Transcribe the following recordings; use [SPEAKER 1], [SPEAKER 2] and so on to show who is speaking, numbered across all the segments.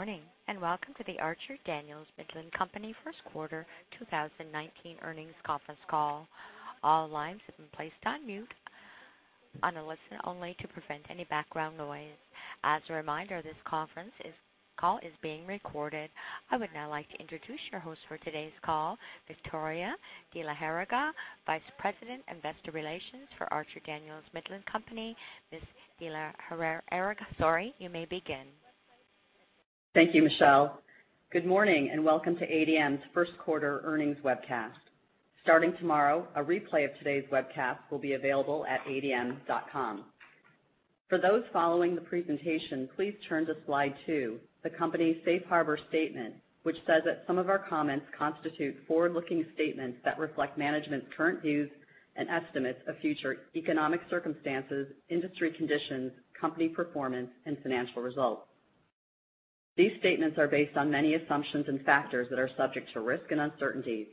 [SPEAKER 1] Morning, welcome to the Archer Daniels Midland Company first quarter 2019 earnings conference call. All lines have been placed on mute and on listen-only to prevent any background noise. As a reminder, this conference call is being recorded. I would now like to introduce your host for today's call, Victoria de la Huerga, Vice President, Investor Relations for Archer Daniels Midland Company. Ms. de la Huerga, you may begin.
[SPEAKER 2] Thank you, Michelle. Good morning, welcome to ADM's first quarter earnings webcast. Starting tomorrow, a replay of today's webcast will be available at adm.com. For those following the presentation, please turn to slide two, the company's safe harbor statement, which says that some of our comments constitute forward-looking statements that reflect management's current views and estimates of future economic circumstances, industry conditions, company performance, and financial results. These statements are based on many assumptions and factors that are subject to risk and uncertainties.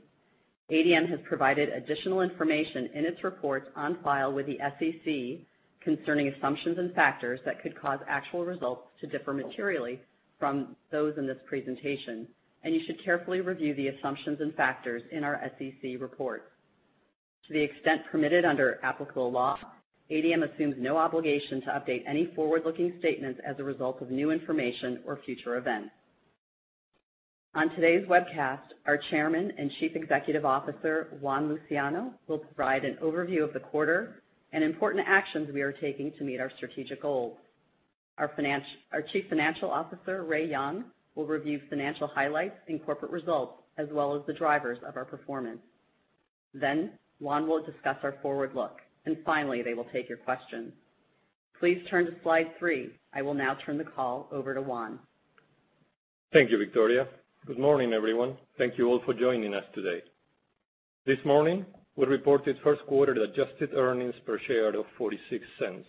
[SPEAKER 2] ADM has provided additional information in its reports on file with the SEC concerning assumptions and factors that could cause actual results to differ materially from those in this presentation. You should carefully review the assumptions and factors in our SEC report. To the extent permitted under applicable law, ADM assumes no obligation to update any forward-looking statements as a result of new information or future events. On today's webcast, our Chairman and Chief Executive Officer, Juan Luciano, will provide an overview of the quarter and important actions we are taking to meet our strategic goals. Our Chief Financial Officer, Ray Young, will review financial highlights and corporate results, as well as the drivers of our performance. Juan will discuss our forward look. Finally, they will take your questions. Please turn to slide three. I will now turn the call over to Juan.
[SPEAKER 3] Thank you, Victoria. Good morning, everyone. Thank you all for joining us today. This morning, we reported first quarter adjusted earnings per share of $0.46,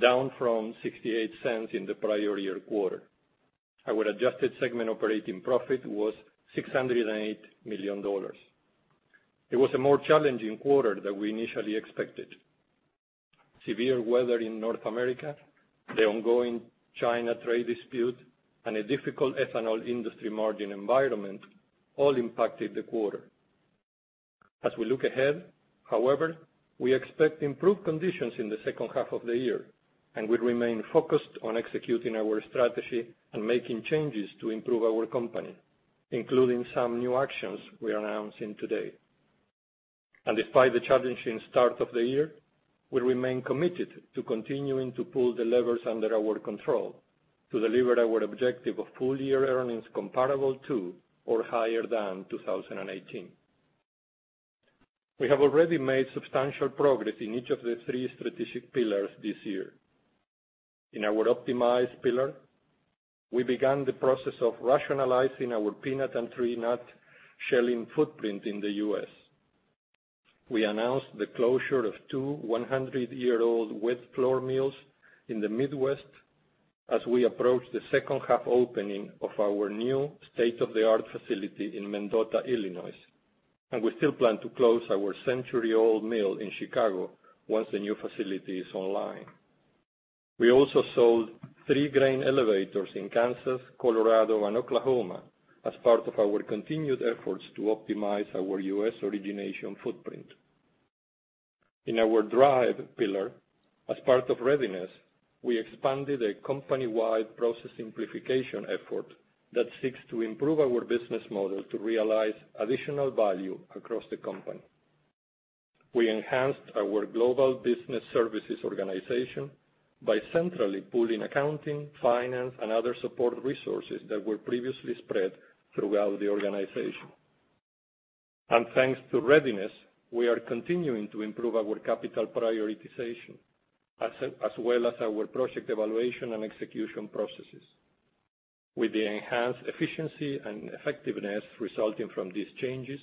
[SPEAKER 3] down from $0.68 in the prior year quarter, and where adjusted segment operating profit was $608 million. It was a more challenging quarter than we initially expected. Severe weather in North America, the ongoing China trade dispute, and a difficult ethanol industry margin environment all impacted the quarter. As we look ahead, however, we expect improved conditions in the second half of the year, and we remain focused on executing our strategy and making changes to improve our company, including some new actions we are announcing today. Despite the challenging start of the year, we remain committed to continuing to pull the levers under our control to deliver our objective of full-year earnings comparable to or higher than 2018. We have already made substantial progress in each of the three strategic pillars this year. In our optimize pillar, we began the process of rationalizing our peanut and tree nut shelling footprint in the U.S. We announced the closure of two 100-year-old wet corn mills in the Midwest as we approach the second half opening of our new state-of-the-art facility in Mendota, Illinois. We still plan to close our century-old mill in Chicago once the new facility is online. We also sold three grain elevators in Kansas, Colorado, and Oklahoma as part of our continued efforts to optimize our U.S. origination footprint. In our drive pillar, as part of Readiness, we expanded a company-wide process simplification effort that seeks to improve our business model to realize additional value across the company. We enhanced our global business services organization by centrally pooling accounting, finance, and other support resources that were previously spread throughout the organization. Thanks to Readiness, we are continuing to improve our capital prioritization, as well as our project evaluation and execution processes. With the enhanced efficiency and effectiveness resulting from these changes,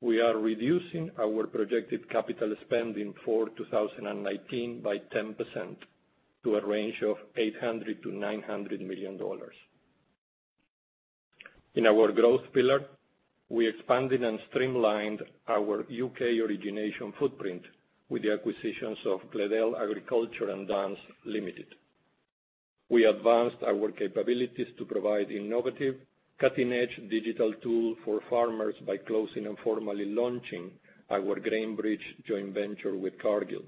[SPEAKER 3] we are reducing our projected capital spend in for 2019 by 10% to a range of $800 million-$900 million. In our growth pillar, we expanded and streamlined our U.K. origination footprint with the acquisitions of Gleadell Agriculture and Dunns Limited. We advanced our capabilities to provide innovative, cutting-edge digital tool for farmers by closing and formally launching our GrainBridge joint venture with Cargill.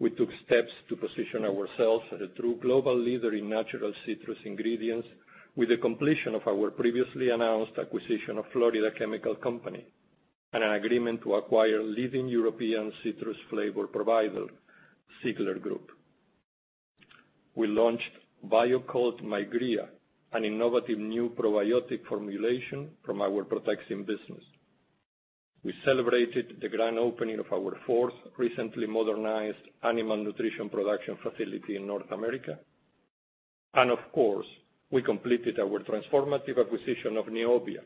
[SPEAKER 3] We took steps to position ourselves as a true global leader in natural citrus ingredients with the completion of our previously announced acquisition of Florida Chemical Company and an agreement to acquire leading European citrus flavor provider, Ziegler Group. We launched Bio-Kult Migréa, an innovative new probiotic formulation from our Protexin business. We celebrated the grand opening of our fourth recently modernized animal nutrition production facility in North America. Of course, we completed our transformative acquisition of Neovia,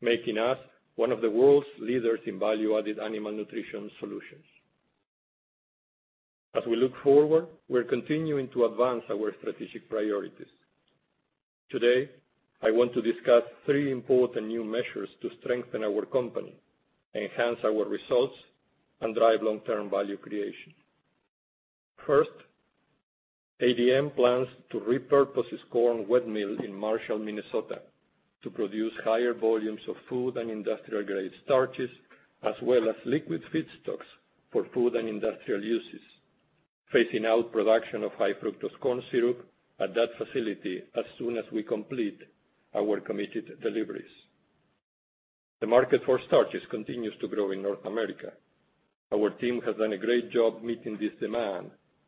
[SPEAKER 3] making us one of the world's leaders in value-added animal nutrition solutions. As we look forward, we're continuing to advance our strategic priorities. Today, I want to discuss three important new measures to strengthen our company, enhance our results, and drive long-term value creation. ADM plans to repurpose its corn wet mill in Marshall, Minnesota to produce higher volumes of food- and industrial-grade starches, as well as liquid feedstocks for food and industrial uses, phasing out production of high-fructose corn syrup at that facility as soon as we complete our committed deliveries. The market for starches continues to grow in North America.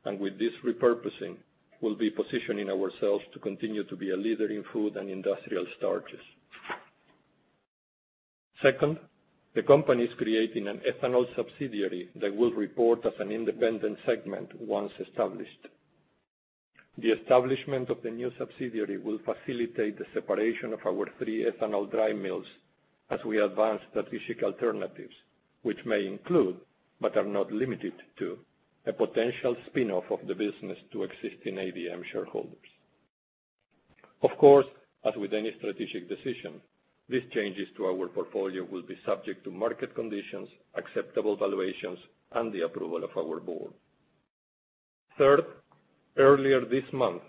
[SPEAKER 3] With this repurposing, we'll be positioning ourselves to continue to be a leader in food and industrial starches. Second, the company is creating an ethanol subsidiary that will report as an independent segment once established. The establishment of the new subsidiary will facilitate the separation of our three ethanol dry mills as we advance strategic alternatives, which may include, but are not limited to, a potential spin-off of the business to existing ADM shareholders. Of course, as with any strategic decision, these changes to our portfolio will be subject to market conditions, acceptable valuations, and the approval of our board. Third, earlier this month,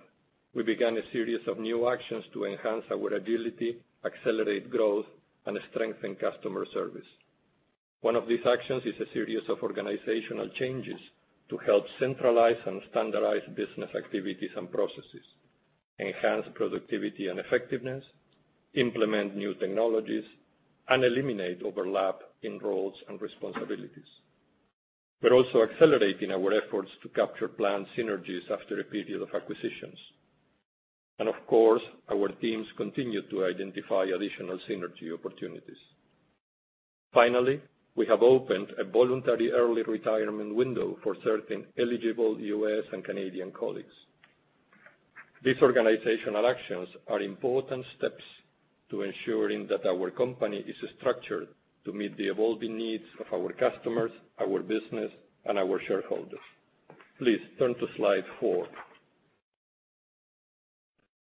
[SPEAKER 3] we began a series of new actions to enhance our agility, accelerate growth, and strengthen customer service. One of these actions is a series of organizational changes to help centralize and standardize business activities and processes, enhance productivity and effectiveness, implement new technologies, and eliminate overlap in roles and responsibilities. Of course, our teams continue to identify additional synergy opportunities. Finally, we have opened a voluntary early retirement window for certain eligible U.S. and Canadian colleagues. These organizational actions are important steps to ensuring that our company is structured to meet the evolving needs of our customers, our business, and our shareholders. Please turn to slide four.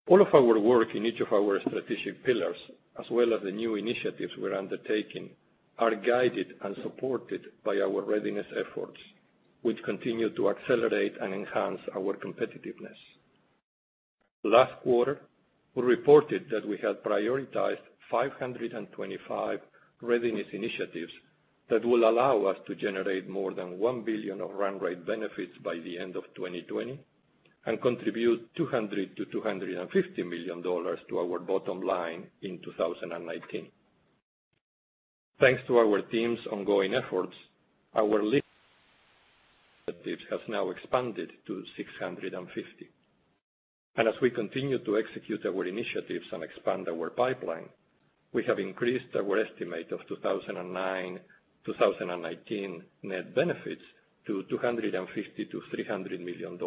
[SPEAKER 3] All of our work in each of our strategic pillars, as well as the new initiatives we're undertaking, are guided and supported by our Readiness efforts, which continue to accelerate and enhance our competitiveness. Last quarter, we reported that we had prioritized 525 Readiness initiatives that will allow us to generate more than $1 billion of run rate benefits by the end of 2020, and contribute $200 million-$250 million to our bottom line in 2019. Thanks to our team's ongoing efforts, our list of initiatives has now expanded to 650. As we continue to execute our initiatives and expand our pipeline, we have increased our estimate of 2019 net benefits to $250 million-$300 million,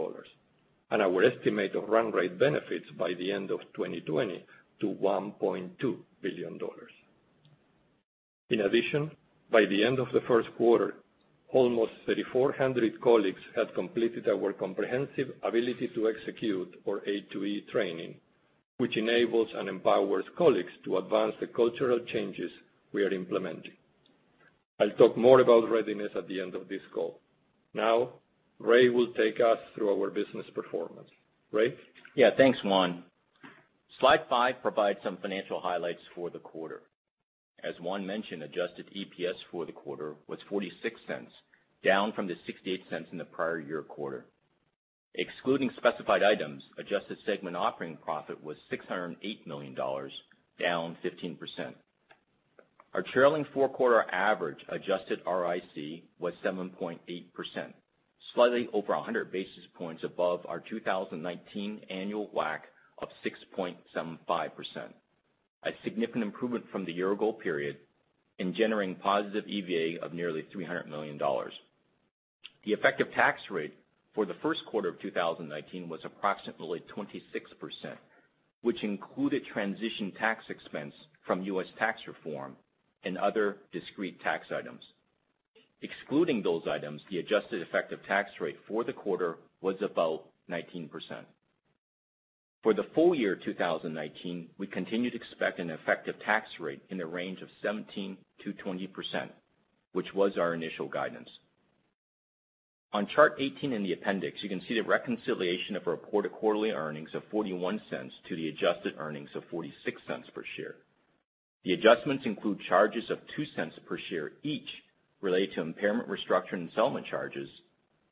[SPEAKER 3] and our estimate of run rate benefits by the end of 2020 to $1.2 billion. In addition, by the end of the first quarter, almost 3,400 colleagues had completed our comprehensive Ability to Execute, or A2E, training, which enables and empowers colleagues to advance the cultural changes we are implementing. I'll talk more about Readiness at the end of this call. Now, Ray will take us through our business performance. Ray?
[SPEAKER 4] Thanks, Juan. Slide five provides some financial highlights for the quarter. As Juan mentioned, adjusted EPS for the quarter was $0.46, down from the $0.68 in the prior year quarter. Excluding specified items, adjusted segment operating profit was $608 million, down 15%. Our trailing four-quarter average adjusted ROIC was 7.8%, slightly over 100 basis points above our 2019 annual WACC of 6.75%, a significant improvement from the year-ago period, and generating positive EVA of nearly $300 million. The effective tax rate for the first quarter of 2019 was approximately 26%, which included transition tax expense from U.S. tax reform and other discrete tax items. Excluding those items, the adjusted effective tax rate for the quarter was about 19%. For the full year 2019, we continue to expect an effective tax rate in the range of 17%-20%, which was our initial guidance. On chart 18 in the appendix, you can see the reconciliation of reported quarterly earnings of $0.41 to the adjusted earnings of $0.46 per share. The adjustments include charges of $0.02 per share each related to impairment, restructuring, and settlement charges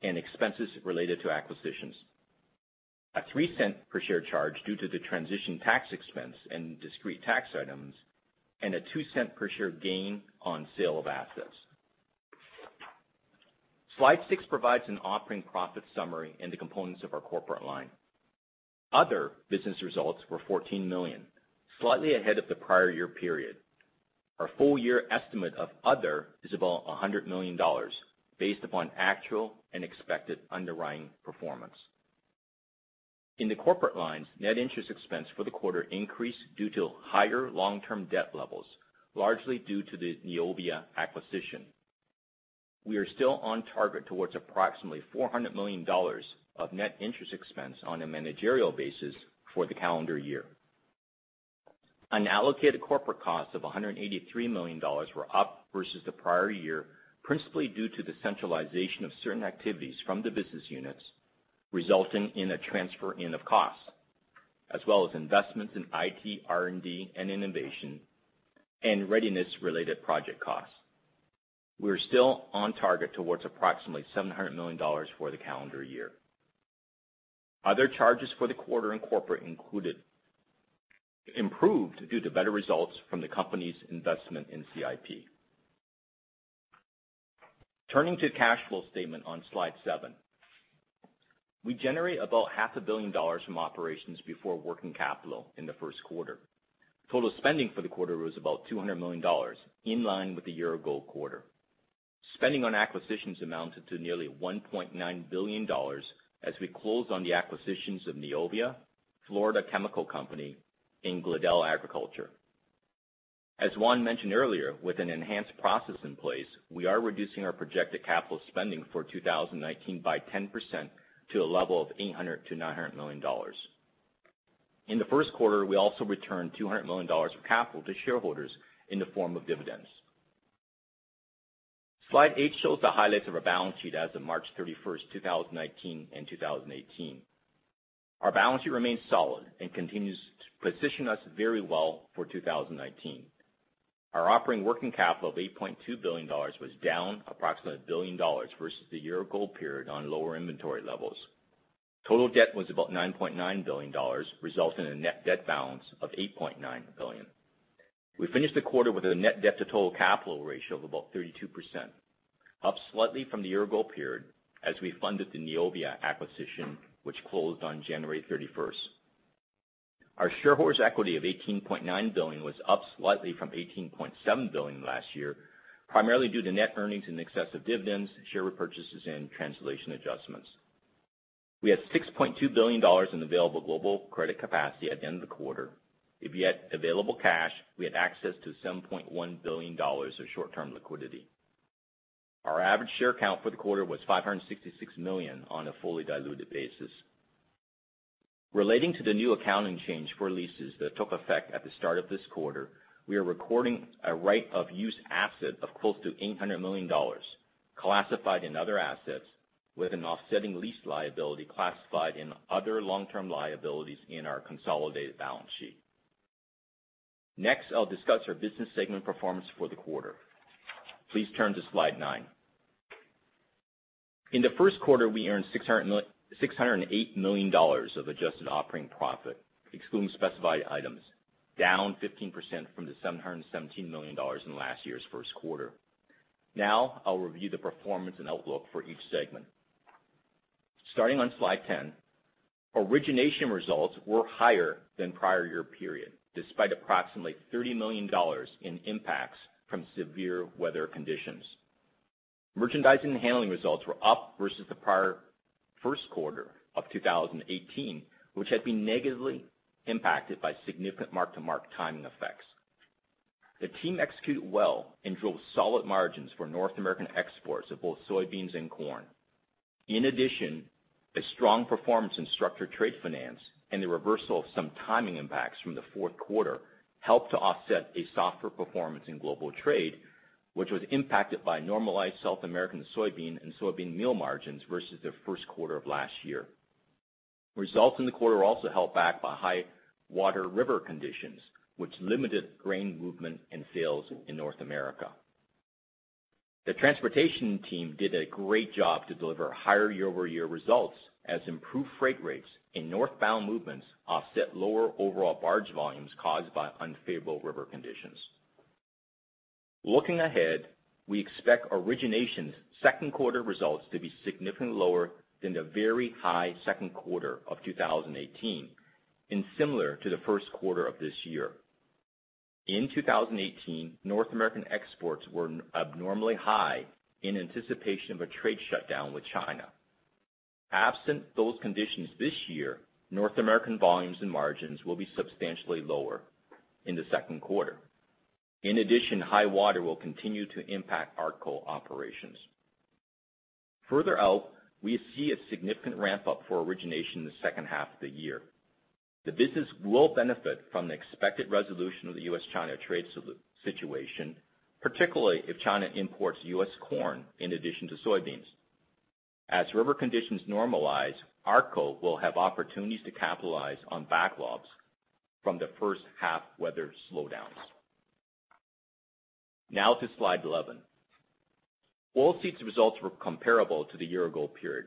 [SPEAKER 4] and expenses related to acquisitions, a $0.03 per share charge due to the transition tax expense and discrete tax items, and a $0.02 per share gain on sale of assets. Slide six provides an operating profit summary and the components of our corporate line. Other business results were $14 million, slightly ahead of the prior year period. Our full year estimate of other is about $100 million, based upon actual and expected underwriting performance. In the corporate lines, net interest expense for the quarter increased due to higher long-term debt levels, largely due to the Neovia acquisition. We are still on target towards approximately $400 million of net interest expense on a managerial basis for the calendar year. Unallocated corporate costs of $183 million were up versus the prior year, principally due to the centralization of certain activities from the business units, resulting in a transfer in of costs, as well as investments in IT, R&D, and innovation, and Readiness-related project costs. We're still on target towards approximately $700 million for the calendar year. Other charges for the quarter in corporate improved due to better results from the company's investment in CIP. Turning to cash flow statement on Slide seven. We generate about half a billion dollars from operations before working capital in the first quarter. Total spending for the quarter was about $200 million, in line with the year-ago quarter. Spending on acquisitions amounted to nearly $1.9 billion as we closed on the acquisitions of Neovia, Florida Chemical Company, and Gleadell Agriculture. As Juan mentioned earlier, with an enhanced process in place, we are reducing our projected capital spending for 2019 by 10% to a level of $800 million-$900 million. In the first quarter, we also returned $200 million of capital to shareholders in the form of dividends. Slide eight shows the highlights of our balance sheet as of March 31st, 2019 and 2018. Our balance sheet remains solid and continues to position us very well for 2019. Our operating working capital of $8.2 billion was down approximately $1 billion versus the year-ago period on lower inventory levels. Total debt was about $9.9 billion, resulting in a net debt balance of $8.9 billion. We finished the quarter with a net debt to total capital ratio of about 32%, up slightly from the year-ago period as we funded the Neovia acquisition, which closed on January 31st. Our shareholders' equity of $18.9 billion was up slightly from $18.7 billion last year, primarily due to net earnings in excess of dividends, share repurchases, and translation adjustments. We had $6.2 billion in available global credit capacity at the end of the quarter. If you add available cash, we had access to $7.1 billion of short-term liquidity. Our average share count for the quarter was 566 million on a fully diluted basis. Relating to the new accounting change for leases that took effect at the start of this quarter, we are recording a right-of-use asset of close to $800 million, classified in other assets, with an offsetting lease liability classified in other long-term liabilities in our consolidated balance sheet. I'll discuss our business segment performance for the quarter. Please turn to Slide 9. In the first quarter, we earned $608 million of adjusted operating profit, excluding specified items, down 15% from the $717 million in last year's first quarter. I'll review the performance and outlook for each segment. Starting on Slide 10, origination results were higher than prior year period, despite approximately $30 million in impacts from severe weather conditions. Merchandising and handling results were up versus the prior first quarter of 2018, which had been negatively impacted by significant mark-to-market timing effects. The team executed well and drove solid margins for North American exports of both soybeans and corn. A strong performance in structured trade finance and the reversal of some timing impacts from the fourth quarter helped to offset a softer performance in global trade, which was impacted by normalized South American soybean and soybean meal margins versus the first quarter of last year. Results in the quarter were also held back by high-water river conditions, which limited grain movement and sales in North America. The transportation team did a great job to deliver higher year-over-year results as improved freight rates in northbound movements offset lower overall barge volumes caused by unfavorable river conditions. Looking ahead, we expect origination's second quarter results to be significantly lower than the very high second quarter of 2018 and similar to the first quarter of this year. In 2018, North American exports were abnormally high in anticipation of a trade shutdown with China. Absent those conditions this year, North American volumes and margins will be substantially lower in the second quarter. High water will continue to impact ARTCO operations. Further out, we see a significant ramp-up for origination in the second half of the year. The business will benefit from the expected resolution of the U.S.-China trade situation, particularly if China imports U.S. corn in addition to soybeans. As river conditions normalize, ARTCO will have opportunities to capitalize on backlogs from the first half weather slowdowns. To Slide 11. Oilseeds results were comparable to the year-ago period.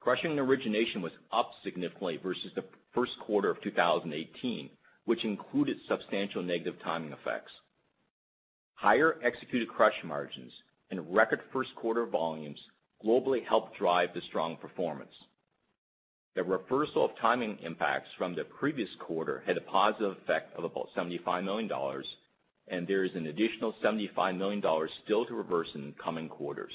[SPEAKER 4] Crushing and origination was up significantly versus the first quarter of 2018, which included substantial negative timing effects. Higher executed crush margins and record first quarter volumes globally helped drive the strong performance. The reversal of timing impacts from the previous quarter had a positive effect of about $75 million. There is an additional $75 million still to reverse in the coming quarters.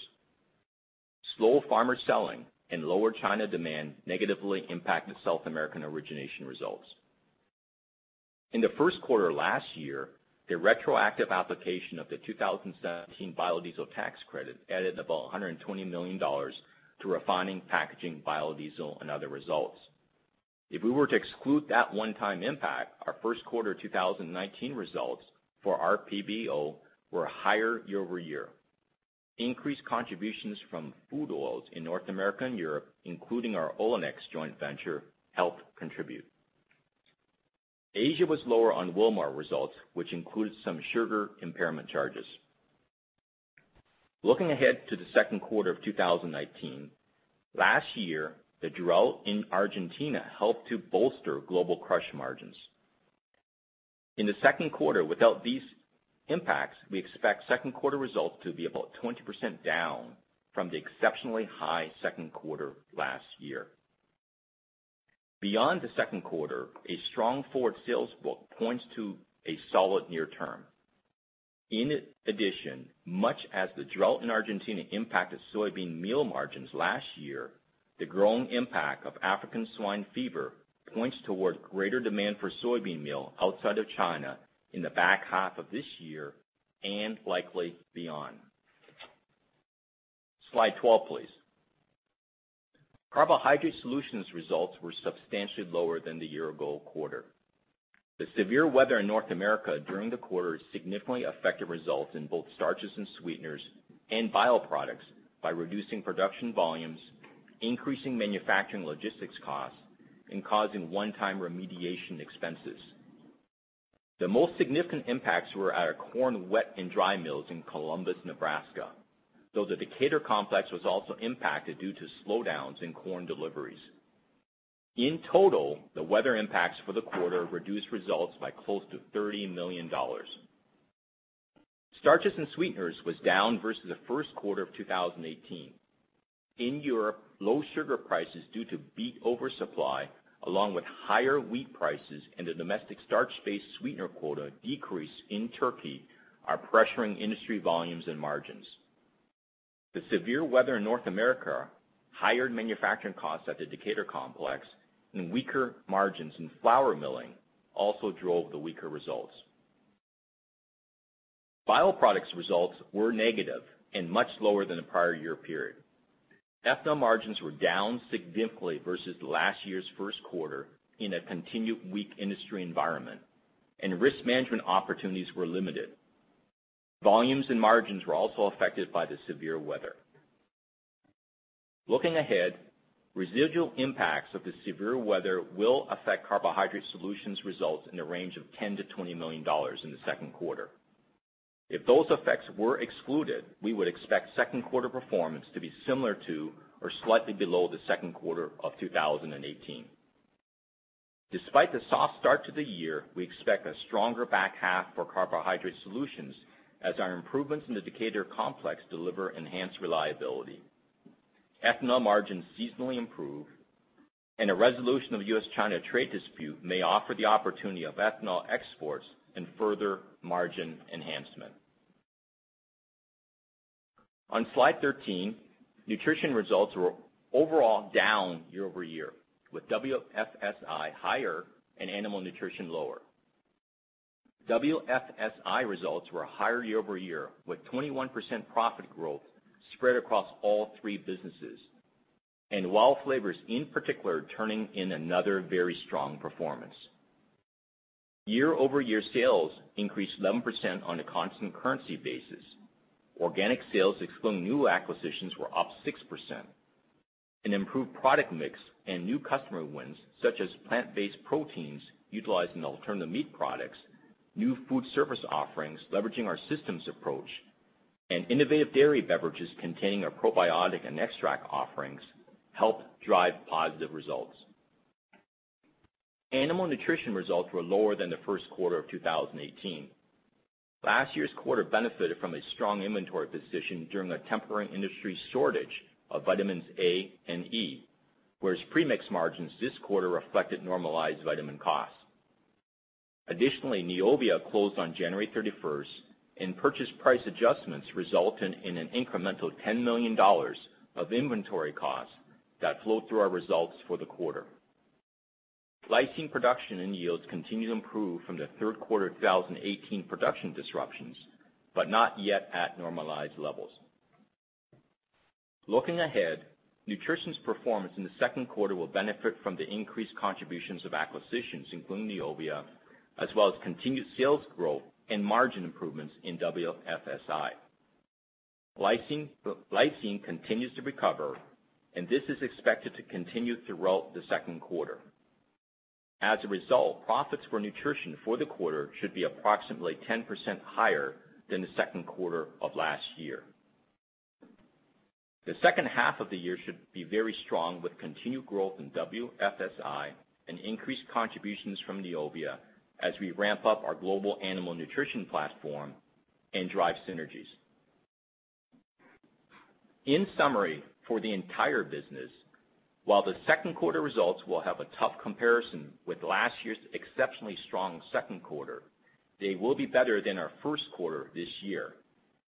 [SPEAKER 4] Slow farmer selling and lower China demand negatively impacted South American origination results. In the first quarter last year, the retroactive application of the 2017 biodiesel tax credit added about $120 million to refining, packaging, biodiesel, and other results. If we were to exclude that one-time impact, our first quarter 2019 results for RPBO were higher year-over-year. Increased contributions from food oils in North America and Europe, including our Olenex joint venture, helped contribute. Asia was lower on Wilmar results, which included some sugar impairment charges. Looking ahead to the second quarter of 2019, last year, the drought in Argentina helped to bolster global crush margins. In the second quarter, without these impacts, we expect second quarter results to be about 20% down from the exceptionally high second quarter last year. Beyond the second quarter, a strong forward sales book points to a solid near term. In addition, much as the drought in Argentina impacted soybean meal margins last year, the growing impact of African swine fever points toward greater demand for soybean meal outside of China in the back half of this year and likely beyond. Slide 12, please. Carbohydrate Solutions results were substantially lower than the year ago quarter. The severe weather in North America during the quarter significantly affected results in both starches and sweeteners and bio products by reducing production volumes, increasing manufacturing logistics costs, and causing one-time remediation expenses. The most significant impacts were at our corn wet and dry mills in Columbus, Nebraska, though the Decatur complex was also impacted due to slowdowns in corn deliveries. In total, the weather impacts for the quarter reduced results by close to $30 million. Starches and sweeteners was down versus the first quarter of 2018. In Europe, low sugar prices due to beet oversupply, along with higher wheat prices and a domestic starch-based sweetener quota decrease in Turkey are pressuring industry volumes and margins. The severe weather in North America, higher manufacturing costs at the Decatur complex, and weaker margins in flour milling also drove the weaker results. Bio products results were negative and much lower than the prior year period. Ethanol margins were down significantly versus last year's first quarter in a continued weak industry environment, and risk management opportunities were limited. Volumes and margins were also affected by the severe weather. Looking ahead, residual impacts of the severe weather will affect Carbohydrate Solutions results in the range of $10 million-$20 million in the second quarter. If those effects were excluded, we would expect second quarter performance to be similar to or slightly below the second quarter of 2018. Despite the soft start to the year, we expect a stronger back half for Carbohydrate Solutions as our improvements in the Decatur complex deliver enhanced reliability. Ethanol margins seasonally improve, and a resolution of the U.S.-China trade dispute may offer the opportunity of ethanol exports and further margin enhancement. On slide 13, nutrition results were overall down year-over-year, with WFSI higher and animal nutrition lower. WFSI results were higher year-over-year, with 21% profit growth spread across all three businesses, and Wild Flavors in particular, turning in another very strong performance. Year-over-year sales increased 11% on a constant currency basis. Organic sales excluding new acquisitions were up 6%. An improved product mix and new customer wins, such as plant-based proteins utilizing alternative meat products, new food service offerings leveraging our systems approach, and innovative dairy beverages containing our probiotic and extract offerings helped drive positive results. Animal nutrition results were lower than the first quarter of 2018. Last year's quarter benefited from a strong inventory position during a temporary industry shortage of vitamins A and E, whereas premix margins this quarter reflected normalized vitamin costs. Additionally, Neovia closed on January 31st, and purchase price adjustments resulted in an incremental $10 million of inventory costs that flowed through our results for the quarter. Lysine production and yields continue to improve from the third quarter 2018 production disruptions, but not yet at normalized levels. Looking ahead, nutrition's performance in the second quarter will benefit from the increased contributions of acquisitions, including Neovia, as well as continued sales growth and margin improvements in WFSI. Lysine continues to recover, and this is expected to continue throughout the second quarter. As a result, profits for nutrition for the quarter should be approximately 10% higher than the second quarter of last year. The second half of the year should be very strong with continued growth in WFSI and increased contributions from Neovia as we ramp up our global animal nutrition platform and drive synergies. In summary, for the entire business, while the second quarter results will have a tough comparison with last year's exceptionally strong second quarter, they will be better than our first quarter this year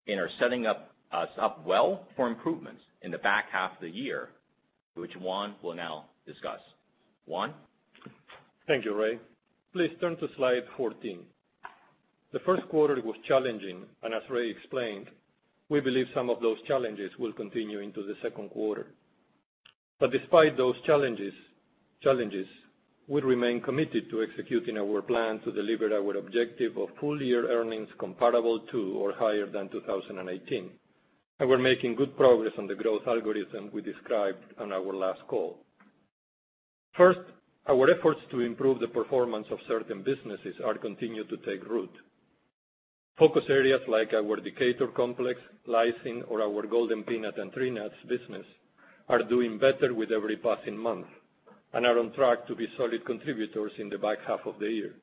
[SPEAKER 4] and are setting us up well for improvements in the back half of the year, which Juan will now discuss. Juan?
[SPEAKER 3] Thank you, Ray. Please turn to slide 14. The first quarter was challenging, and as Ray explained, we believe some of those challenges will continue into the second quarter. Despite those challenges, we remain committed to executing our plan to deliver our objective of full-year earnings comparable to or higher than 2018. We're making good progress on the growth algorithm we described on our last call. First, our efforts to improve the performance of certain businesses are continuing to take root. Focus areas like our Decatur complex, lysine, or our Golden Peanut and Tree Nuts business are doing better with every passing month and are on track to be solid contributors in the back half of the year.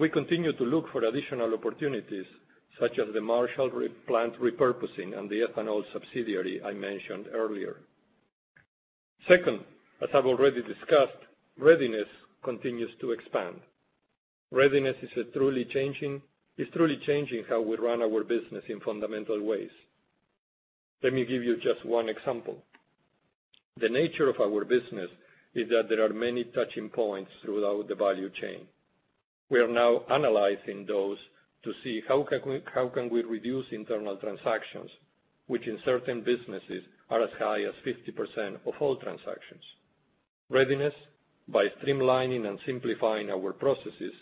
[SPEAKER 3] We continue to look for additional opportunities, such as the Marshall plant repurposing and the ethanol subsidiary I mentioned earlier. Second, as I've already discussed, Readiness continues to expand. Readiness is truly changing how we run our business in fundamental ways. Let me give you just one example. The nature of our business is that there are many touching points throughout the value chain. We are now analyzing those to see how can we reduce internal transactions, which in certain businesses are as high as 50% of all transactions. Readiness, by streamlining and simplifying our processes,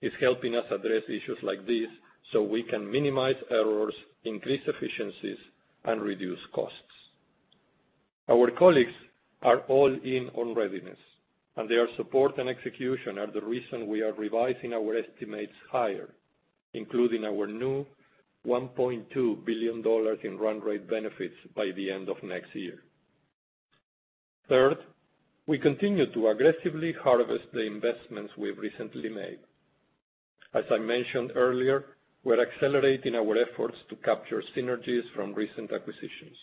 [SPEAKER 3] is helping us address issues like this so we can minimize errors, increase efficiencies, and reduce costs. Our colleagues are all in on Readiness, and their support and execution are the reason we are revising our estimates higher, including our new $1.2 billion in run rate benefits by the end of next year. Third, we continue to aggressively harvest the investments we've recently made. As I mentioned earlier, we're accelerating our efforts to capture synergies from recent acquisitions.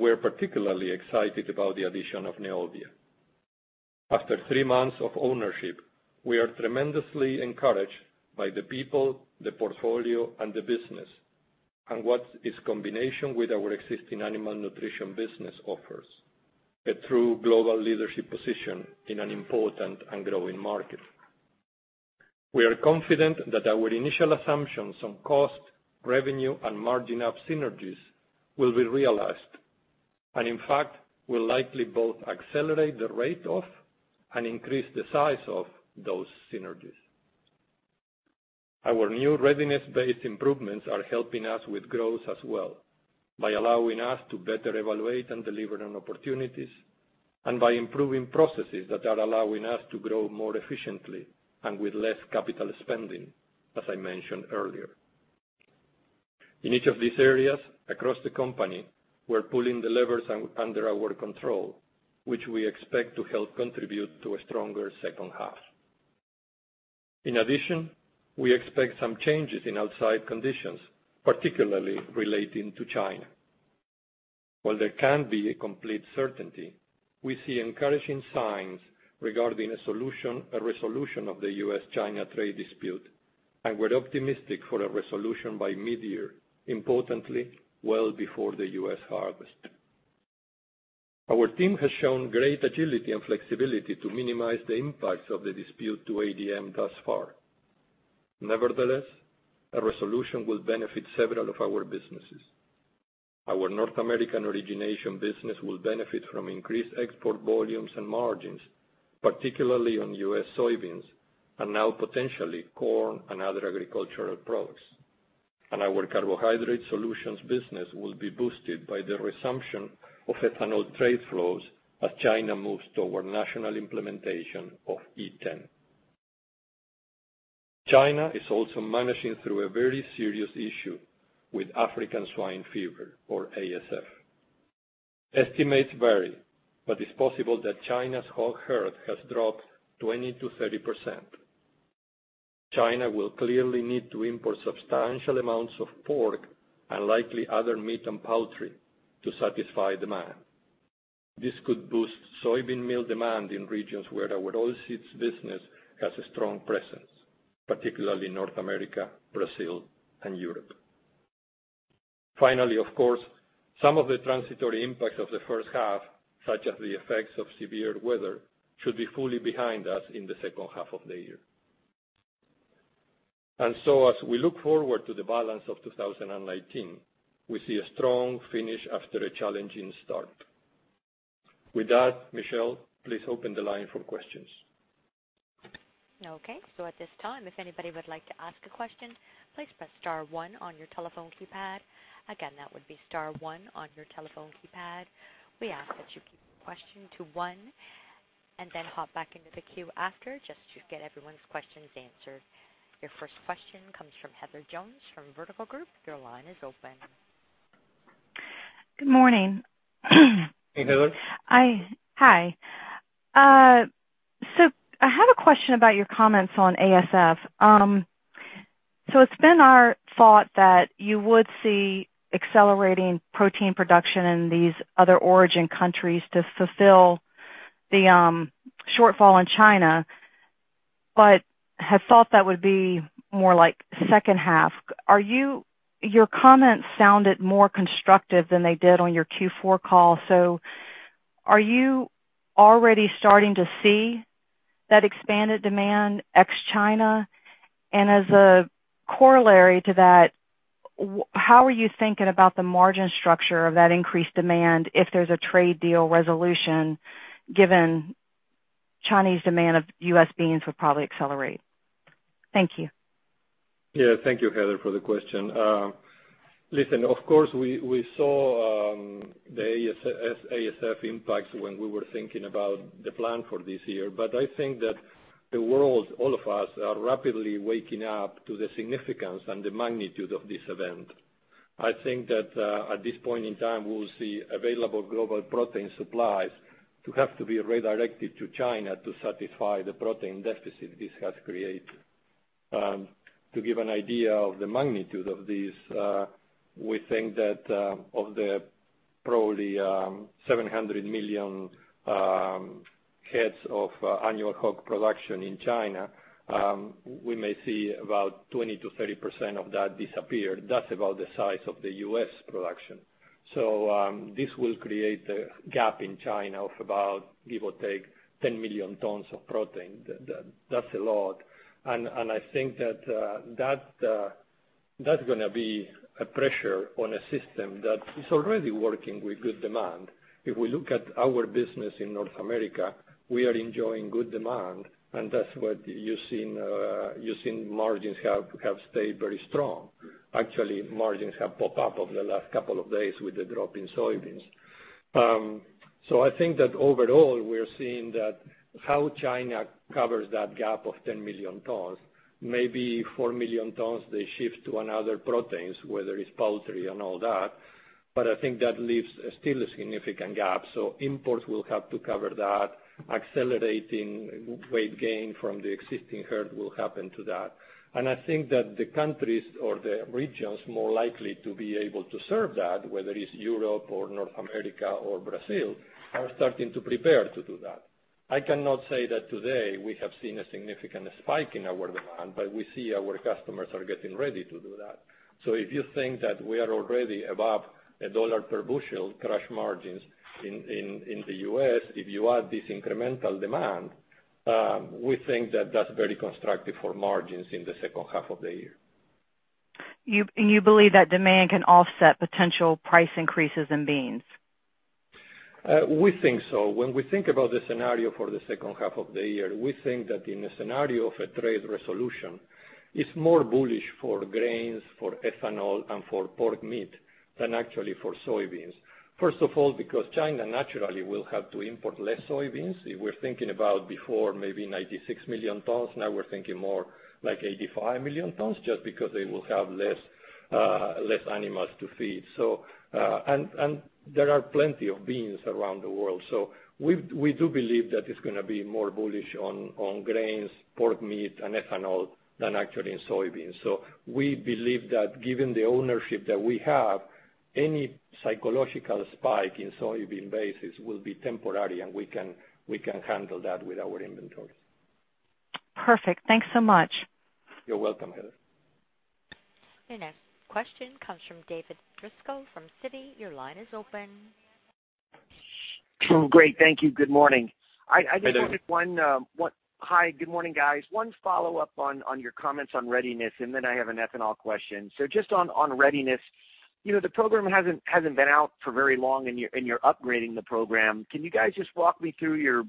[SPEAKER 3] We're particularly excited about the addition of Neovia. After three months of ownership, we are tremendously encouraged by the people, the portfolio, and the business, and what its combination with our existing animal nutrition business offers, a true global leadership position in an important and growing market. We are confident that our initial assumptions on cost, revenue, and margin of synergies will be realized. In fact, will likely both accelerate the rate of and increase the size of those synergies. Our new Readiness-based improvements are helping us with growth as well by allowing us to better evaluate and deliver on opportunities and by improving processes that are allowing us to grow more efficiently and with less capital spending, as I mentioned earlier. In each of these areas across the company, we're pulling the levers under our control, which we expect to help contribute to a stronger second half. In addition, we expect some changes in outside conditions, particularly relating to China. While there can't be a complete certainty, we see encouraging signs regarding a resolution of the U.S.-China trade dispute, and we're optimistic for a resolution by mid-year, importantly, well before the U.S. harvest. Our team has shown great agility and flexibility to minimize the impacts of the dispute to ADM thus far. Nevertheless, a resolution will benefit several of our businesses. Our North American origination business will benefit from increased export volumes and margins, particularly on U.S. soybeans, and now potentially corn and other agricultural products. Our Carbohydrate Solutions business will be boosted by the resumption of ethanol trade flows as China moves toward national implementation of E10. China is also managing through a very serious issue with African swine fever, or ASF. Estimates vary, but it's possible that China's hog herd has dropped 20%-30%. China will clearly need to import substantial amounts of pork and likely other meat and poultry to satisfy demand. This could boost soybean meal demand in regions where our oilseeds business has a strong presence, particularly North America, Brazil, and Europe. Finally, of course, some of the transitory impacts of the first half, such as the effects of severe weather, should be fully behind us in the second half of the year. As we look forward to the balance of 2019, we see a strong finish after a challenging start. With that, Michelle, please open the line for questions.
[SPEAKER 1] At this time, if anybody would like to ask a question, please press star one on your telephone keypad. Again, that would be star one on your telephone keypad. We ask that you keep your question to one, and then hop back into the queue after, just to get everyone's questions answered. Your first question comes from Heather Jones from Vertical Group. Your line is open.
[SPEAKER 5] Good morning.
[SPEAKER 3] Hey, Heather.
[SPEAKER 5] Hi. I have a question about your comments on ASF. It's been our thought that you would see accelerating protein production in these other origin countries to fulfill the shortfall in China, but had thought that would be more like second half. Your comments sounded more constructive than they did on your Q4 call. Are you already starting to see that expanded demand ex-China? As a corollary to that, how are you thinking about the margin structure of that increased demand if there's a trade deal resolution, given Chinese demand of U.S. beans would probably accelerate? Thank you.
[SPEAKER 3] Thank you, Heather, for the question. Listen, of course, we saw the ASF impacts when we were thinking about the plan for this year, but I think that the world, all of us, are rapidly waking up to the significance and the magnitude of this event. I think that, at this point in time, we will see available global protein supplies to have to be redirected to China to satisfy the protein deficit this has created. To give an idea of the magnitude of this, we think that of the probably 700 million heads of annual hog production in China, we may see about 20%-30% of that disappear. That's about the size of the U.S. production. This will create a gap in China of about, give or take, 10 million tons of protein. That's a lot. I think that's going to be a pressure on a system that is already working with good demand. If we look at our business in North America, we are enjoying good demand, and that's what you've seen margins have stayed very strong. Actually, margins have popped up over the last couple of days with the drop in soybeans. I think that overall, we're seeing that how China covers that gap of 10 million tons, maybe 4 million tons they shift to another proteins, whether it's poultry and all that, but I think that leaves still a significant gap. Imports will have to cover that. Accelerating weight gain from the existing herd will happen to that. I think that the countries or the regions more likely to be able to serve that, whether it's Europe or North America or Brazil, are starting to prepare to do that. I cannot say that today we have seen a significant spike in our demand, but we see our customers are getting ready to do that. If you think that we are already above $1 per bushel crush margins in the U.S., if you add this incremental demand, we think that that's very constructive for margins in the second half of the year.
[SPEAKER 5] You believe that demand can offset potential price increases in beans?
[SPEAKER 3] We think so. When we think about the scenario for the second half of the year, we think that in a scenario of a trade resolution, it's more bullish for grains, for ethanol, and for pork meat than actually for soybeans. First of all, because China naturally will have to import less soybeans. If we're thinking about before maybe 96 million tons, now we're thinking more like 85 million tons just because they will have less animals to feed. There are plenty of beans around the world. We do believe that it's going to be more bullish on grains, pork meat, and ethanol than actually in soybeans. We believe that given the ownership that we have, any psychological spike in soybean basis will be temporary, and we can handle that with our inventory.
[SPEAKER 5] Perfect. Thanks so much.
[SPEAKER 3] You're welcome, Heather.
[SPEAKER 1] Your next question comes from David Driscoll from Citi. Your line is open.
[SPEAKER 6] Great. Thank you. Good morning.
[SPEAKER 3] Hey, David.
[SPEAKER 6] Hi, good morning, guys. One follow-up on your comments on Readiness, then I have an ethanol question. Just on Readiness. The program hasn't been out for very long, and you're upgrading the program. Can you guys just walk me through your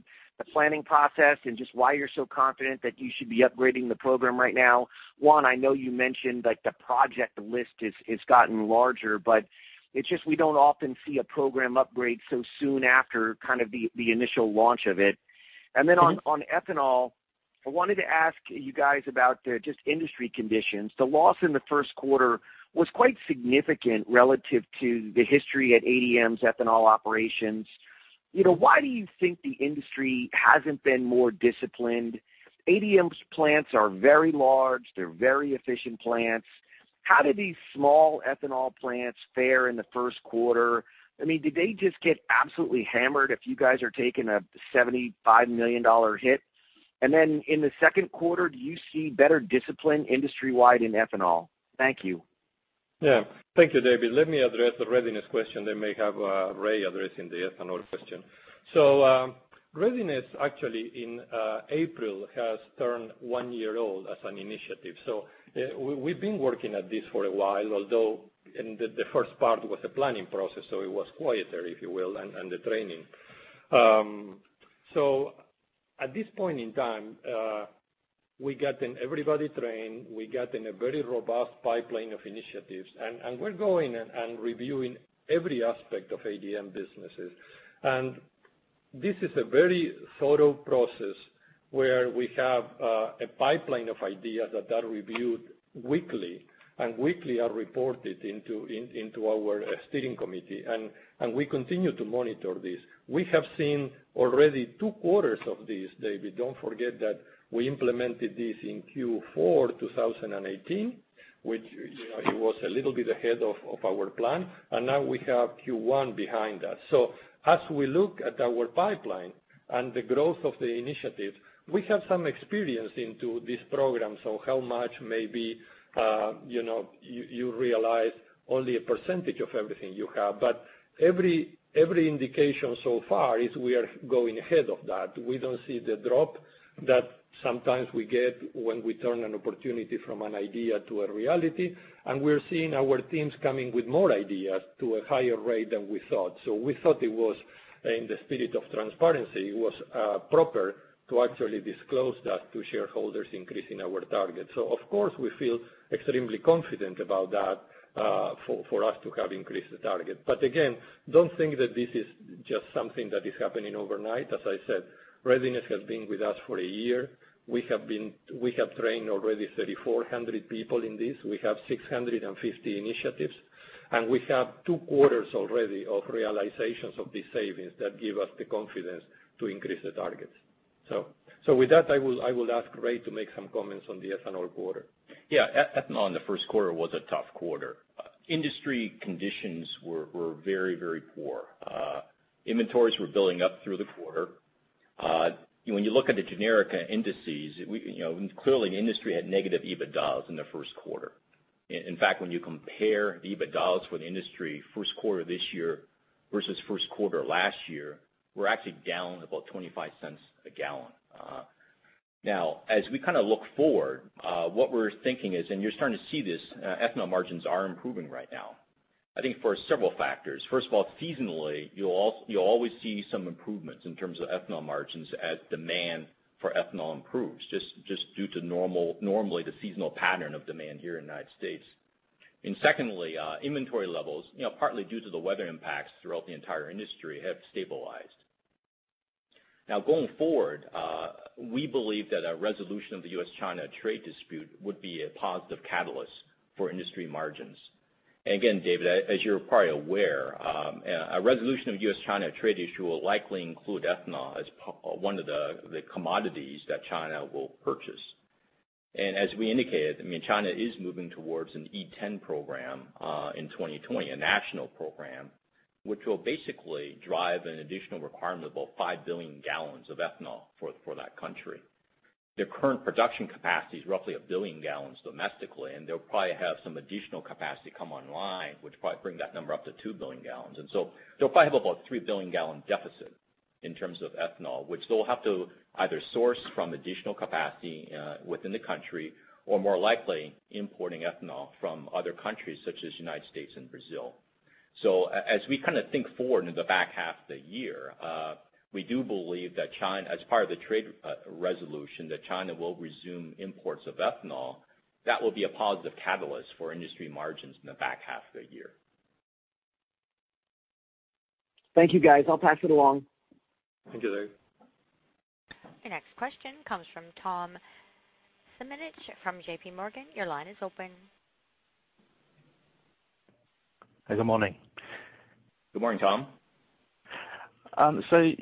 [SPEAKER 6] planning process and just why you're so confident that you should be upgrading the program right now? One, I know you mentioned that the project list has gotten larger, but it's just we don't often see a program upgrade so soon after kind of the initial launch of it. On ethanol, I wanted to ask you guys about just industry conditions. The loss in the first quarter was quite significant relative to the history at ADM's ethanol operations. Why do you think the industry hasn't been more disciplined? ADM's plants are very large. They're very efficient plants. How did these small ethanol plants fare in the first quarter? Did they just get absolutely hammered if you guys are taking a $75 million hit? In the second quarter, do you see better discipline industry-wide in ethanol? Thank you.
[SPEAKER 3] Thank you, David. Let me address the Readiness question, then may have Ray addressing the ethanol question. Readiness actually in April has turned one year old as an initiative. We've been working at this for a while, although the first part was the planning process, so it was quieter, if you will, and the training. At this point in time, we gotten everybody trained, we gotten a very robust pipeline of initiatives, and we're going and reviewing every aspect of ADM businesses. This is a very thorough process where we have a pipeline of ideas that are reviewed weekly, and weekly are reported into our steering committee. We continue to monitor this. We have seen already two quarters of this, David. Don't forget that we implemented this in Q4 2018, which it was a little bit ahead of our plan. Now we have Q1 behind us. As we look at our pipeline and the growth of the initiative, we have some experience into this program. How much maybe you realize only a percentage of everything you have. Every indication so far is we are going ahead of that. We don't see the drop that sometimes we get when we turn an opportunity from an idea to a reality. We're seeing our teams coming with more ideas to a higher rate than we thought. We thought it was in the spirit of transparency, it was proper to actually disclose that to shareholders increasing our target. Of course, we feel extremely confident about that for us to have increased the target. Again, don't think that this is just something that is happening overnight. As I said, Readiness has been with us for a year. We have trained already 3,400 people in this. We have 650 initiatives. We have two quarters already of realizations of these savings that give us the confidence to increase the targets. With that, I will ask Ray to make some comments on the ethanol quarter.
[SPEAKER 4] Ethanol in the first quarter was a tough quarter. Industry conditions were very poor. Inventories were building up through the quarter. When you look at the general UNICA indices, clearly the industry had negative EBITDAL in the first quarter. In fact, when you compare the EBITDAL for the industry first quarter this year versus first quarter last year, we're actually down about $0.25 a gallon. As we look forward, what we're thinking is, you're starting to see this, ethanol margins are improving right now. I think for several factors. First of all, seasonally, you always see some improvements in terms of ethanol margins as demand for ethanol improves, just due to normally the seasonal pattern of demand here in the U.S. Secondly, inventory levels, partly due to the weather impacts throughout the entire industry, have stabilized. Going forward, we believe that a resolution of the U.S.-China trade dispute would be a positive catalyst for industry margins. Again, David, as you're probably aware, a resolution of U.S.-China trade issue will likely include ethanol as one of the commodities that China will purchase. As we indicated, China is moving towards an E10 program in 2020. A national program, which will basically drive an additional requirement of about five billion gallons of ethanol for that country. Their current production capacity is roughly one billion gallons domestically, and they'll probably have some additional capacity come online, which will probably bring that number up to two billion gallons. They'll probably have about three billion gallon deficit in terms of ethanol, which they'll have to either source from additional capacity within the country or more likely importing ethanol from other countries such as U.S. and Brazil. As we think forward into the back half of the year, we do believe that as part of the trade resolution, that China will resume imports of ethanol. That will be a positive catalyst for industry margins in the back half of the year.
[SPEAKER 6] Thank you, guys. I'll pass it along.
[SPEAKER 3] Thank you, David.
[SPEAKER 1] Your next question comes from Tom Simonitsch from JPMorgan. Your line is open.
[SPEAKER 7] Good morning.
[SPEAKER 4] Good morning, Tom.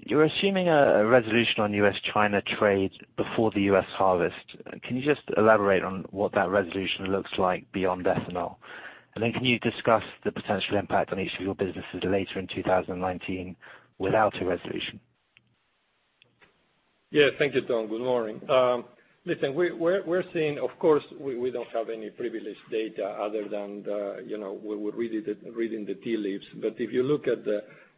[SPEAKER 7] You're assuming a resolution on U.S.-China trade before the U.S. harvest. Can you just elaborate on what that resolution looks like beyond ethanol? Can you discuss the potential impact on each of your businesses later in 2019 without a resolution?
[SPEAKER 3] Yeah. Thank you, Tom. Good morning. Listen, we're seeing, of course, we don't have any privileged data other than we're reading the tea leaves. If you look at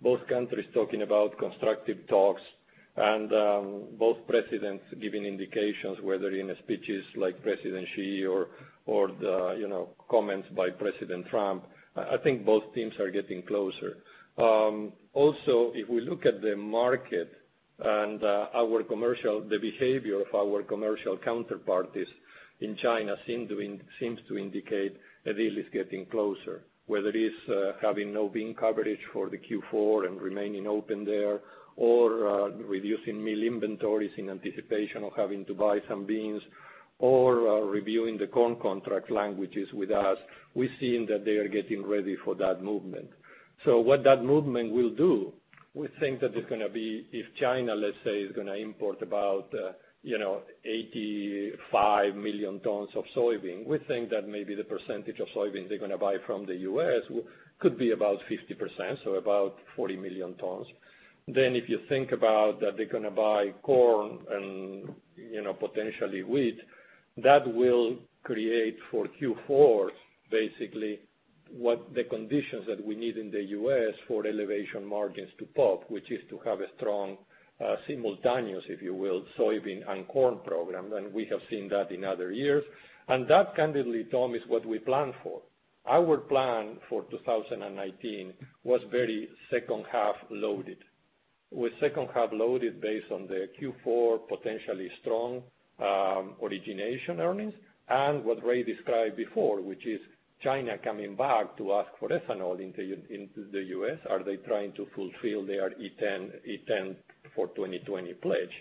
[SPEAKER 3] both countries talking about constructive talks and both President Xi or the comments by President Trump, I think both teams are getting closer. Also, if we look at the market and the behavior of our commercial counterparties in China seems to indicate a deal is getting closer. Whether it is having no bean coverage for the Q4 and remaining open there, or reducing mill inventories in anticipation of having to buy some beans, or reviewing the corn contract languages with us. We're seeing that they are getting ready for that movement. We think that it's going to be if China, let's say, is going to import about 85 million tons of soybean. We think that maybe the percentage of soybeans they're going to buy from the U.S. could be about 50%, so about 40 million tons. If you think about that they're going to buy corn and potentially wheat, that will create for Q4, basically what the conditions that we need in the U.S. for elevation margins to pop, which is to have a strong simultaneous, if you will, soybean and corn program. We have seen that in other years. That, candidly, Tom, is what we planned for. Our plan for 2019 was very second half loaded. It was second half loaded based on the Q4 potentially strong origination earnings and what Ray described before, which is China coming back to ask for ethanol into the U.S. Are they trying to fulfill their E10 for 2020 pledge?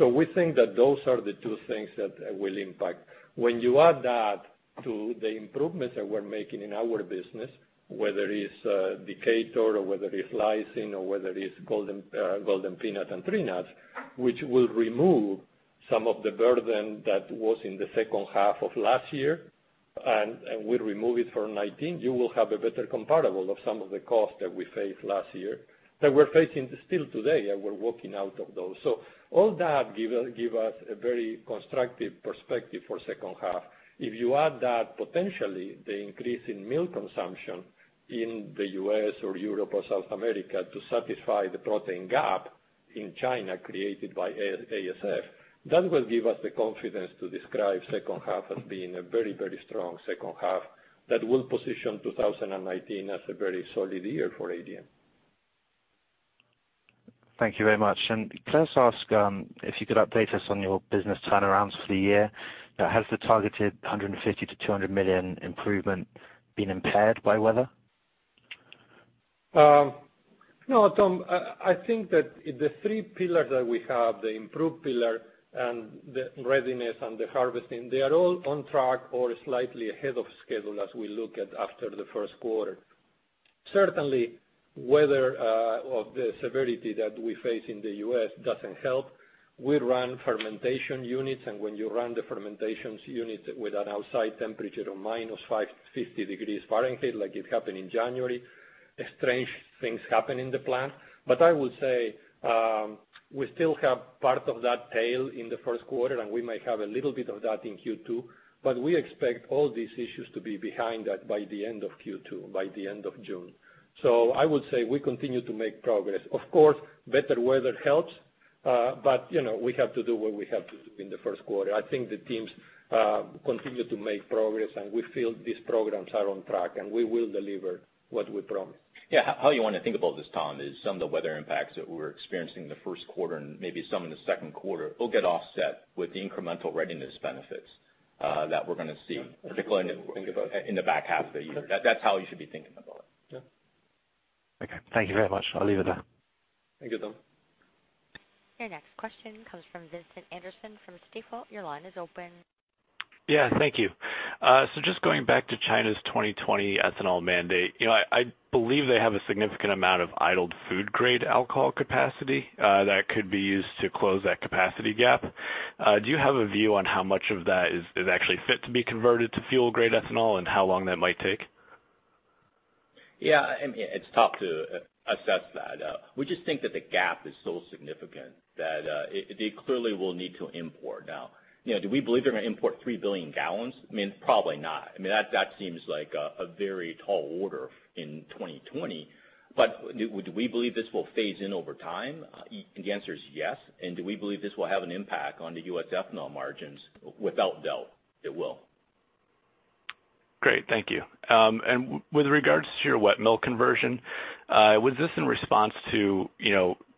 [SPEAKER 3] We think that those are the two things that will impact. When you add that to the improvements that we're making in our business, whether it's Decatur, or whether it's lysine, or whether it's Golden Peanut and Tree Nuts, which will remove some of the burden that was in the second half of last year, and will remove it for 2019, you will have a better comparable of some of the costs that we faced last year, that we're facing still today, and we're working out of those. All that give us a very constructive perspective for second half. If you add that potentially the increase in milk consumption in the U.S. or Europe or South America to satisfy the protein gap in China created by ASF, that will give us the confidence to describe second half as being a very, very strong second half that will position 2019 as a very solid year for ADM.
[SPEAKER 7] Thank you very much. Can I just ask if you could update us on your business turnarounds for the year? Has the targeted $150 million-$200 million improvement been impaired by weather?
[SPEAKER 3] No, Tom, I think that the three pillars that we have, the improved pillar and the Readiness and the harvesting, they are all on track or slightly ahead of schedule as we look at after the first quarter. Certainly, weather of the severity that we face in the U.S. doesn't help. We run fermentation units, and when you run the fermentations units with an outside temperature of -550 degrees Fahrenheit, like it happened in January, strange things happen in the plant. I would say, we still have part of that tail in the first quarter, and we might have a little bit of that in Q2, but we expect all these issues to be behind that by the end of Q2, by the end of June. I would say we continue to make progress. Of course, better weather helps, we have to do what we have to do in the first quarter. I think the teams continue to make progress, we feel these programs are on track, we will deliver what we promised.
[SPEAKER 4] Yeah. How you want to think about this, Tom, is some of the weather impacts that we're experiencing in the first quarter and maybe some in the second quarter will get offset with the incremental Readiness benefits that we're going to see, particularly in the back half of the year. That's how you should be thinking about it.
[SPEAKER 7] Okay. Thank you very much. I'll leave it there.
[SPEAKER 3] Thank you, Tom.
[SPEAKER 1] Your next question comes from Vincent Anderson from Stifel. Your line is open.
[SPEAKER 8] Yeah, thank you. Just going back to China's 2020 ethanol mandate. I believe they have a significant amount of idled food-grade alcohol capacity that could be used to close that capacity gap. Do you have a view on how much of that is actually fit to be converted to fuel-grade ethanol and how long that might take?
[SPEAKER 4] Yeah, it's tough to assess that. We just think that the gap is so significant that they clearly will need to import. Now, do we believe they're going to import 3 billion gallons? Probably not. That seems like a very tall order in 2020. Do we believe this will phase in over time? The answer is yes. Do we believe this will have an impact on the U.S. ethanol margins? Without doubt it will.
[SPEAKER 8] Great. Thank you. With regards to your wet mill conversion, was this in response to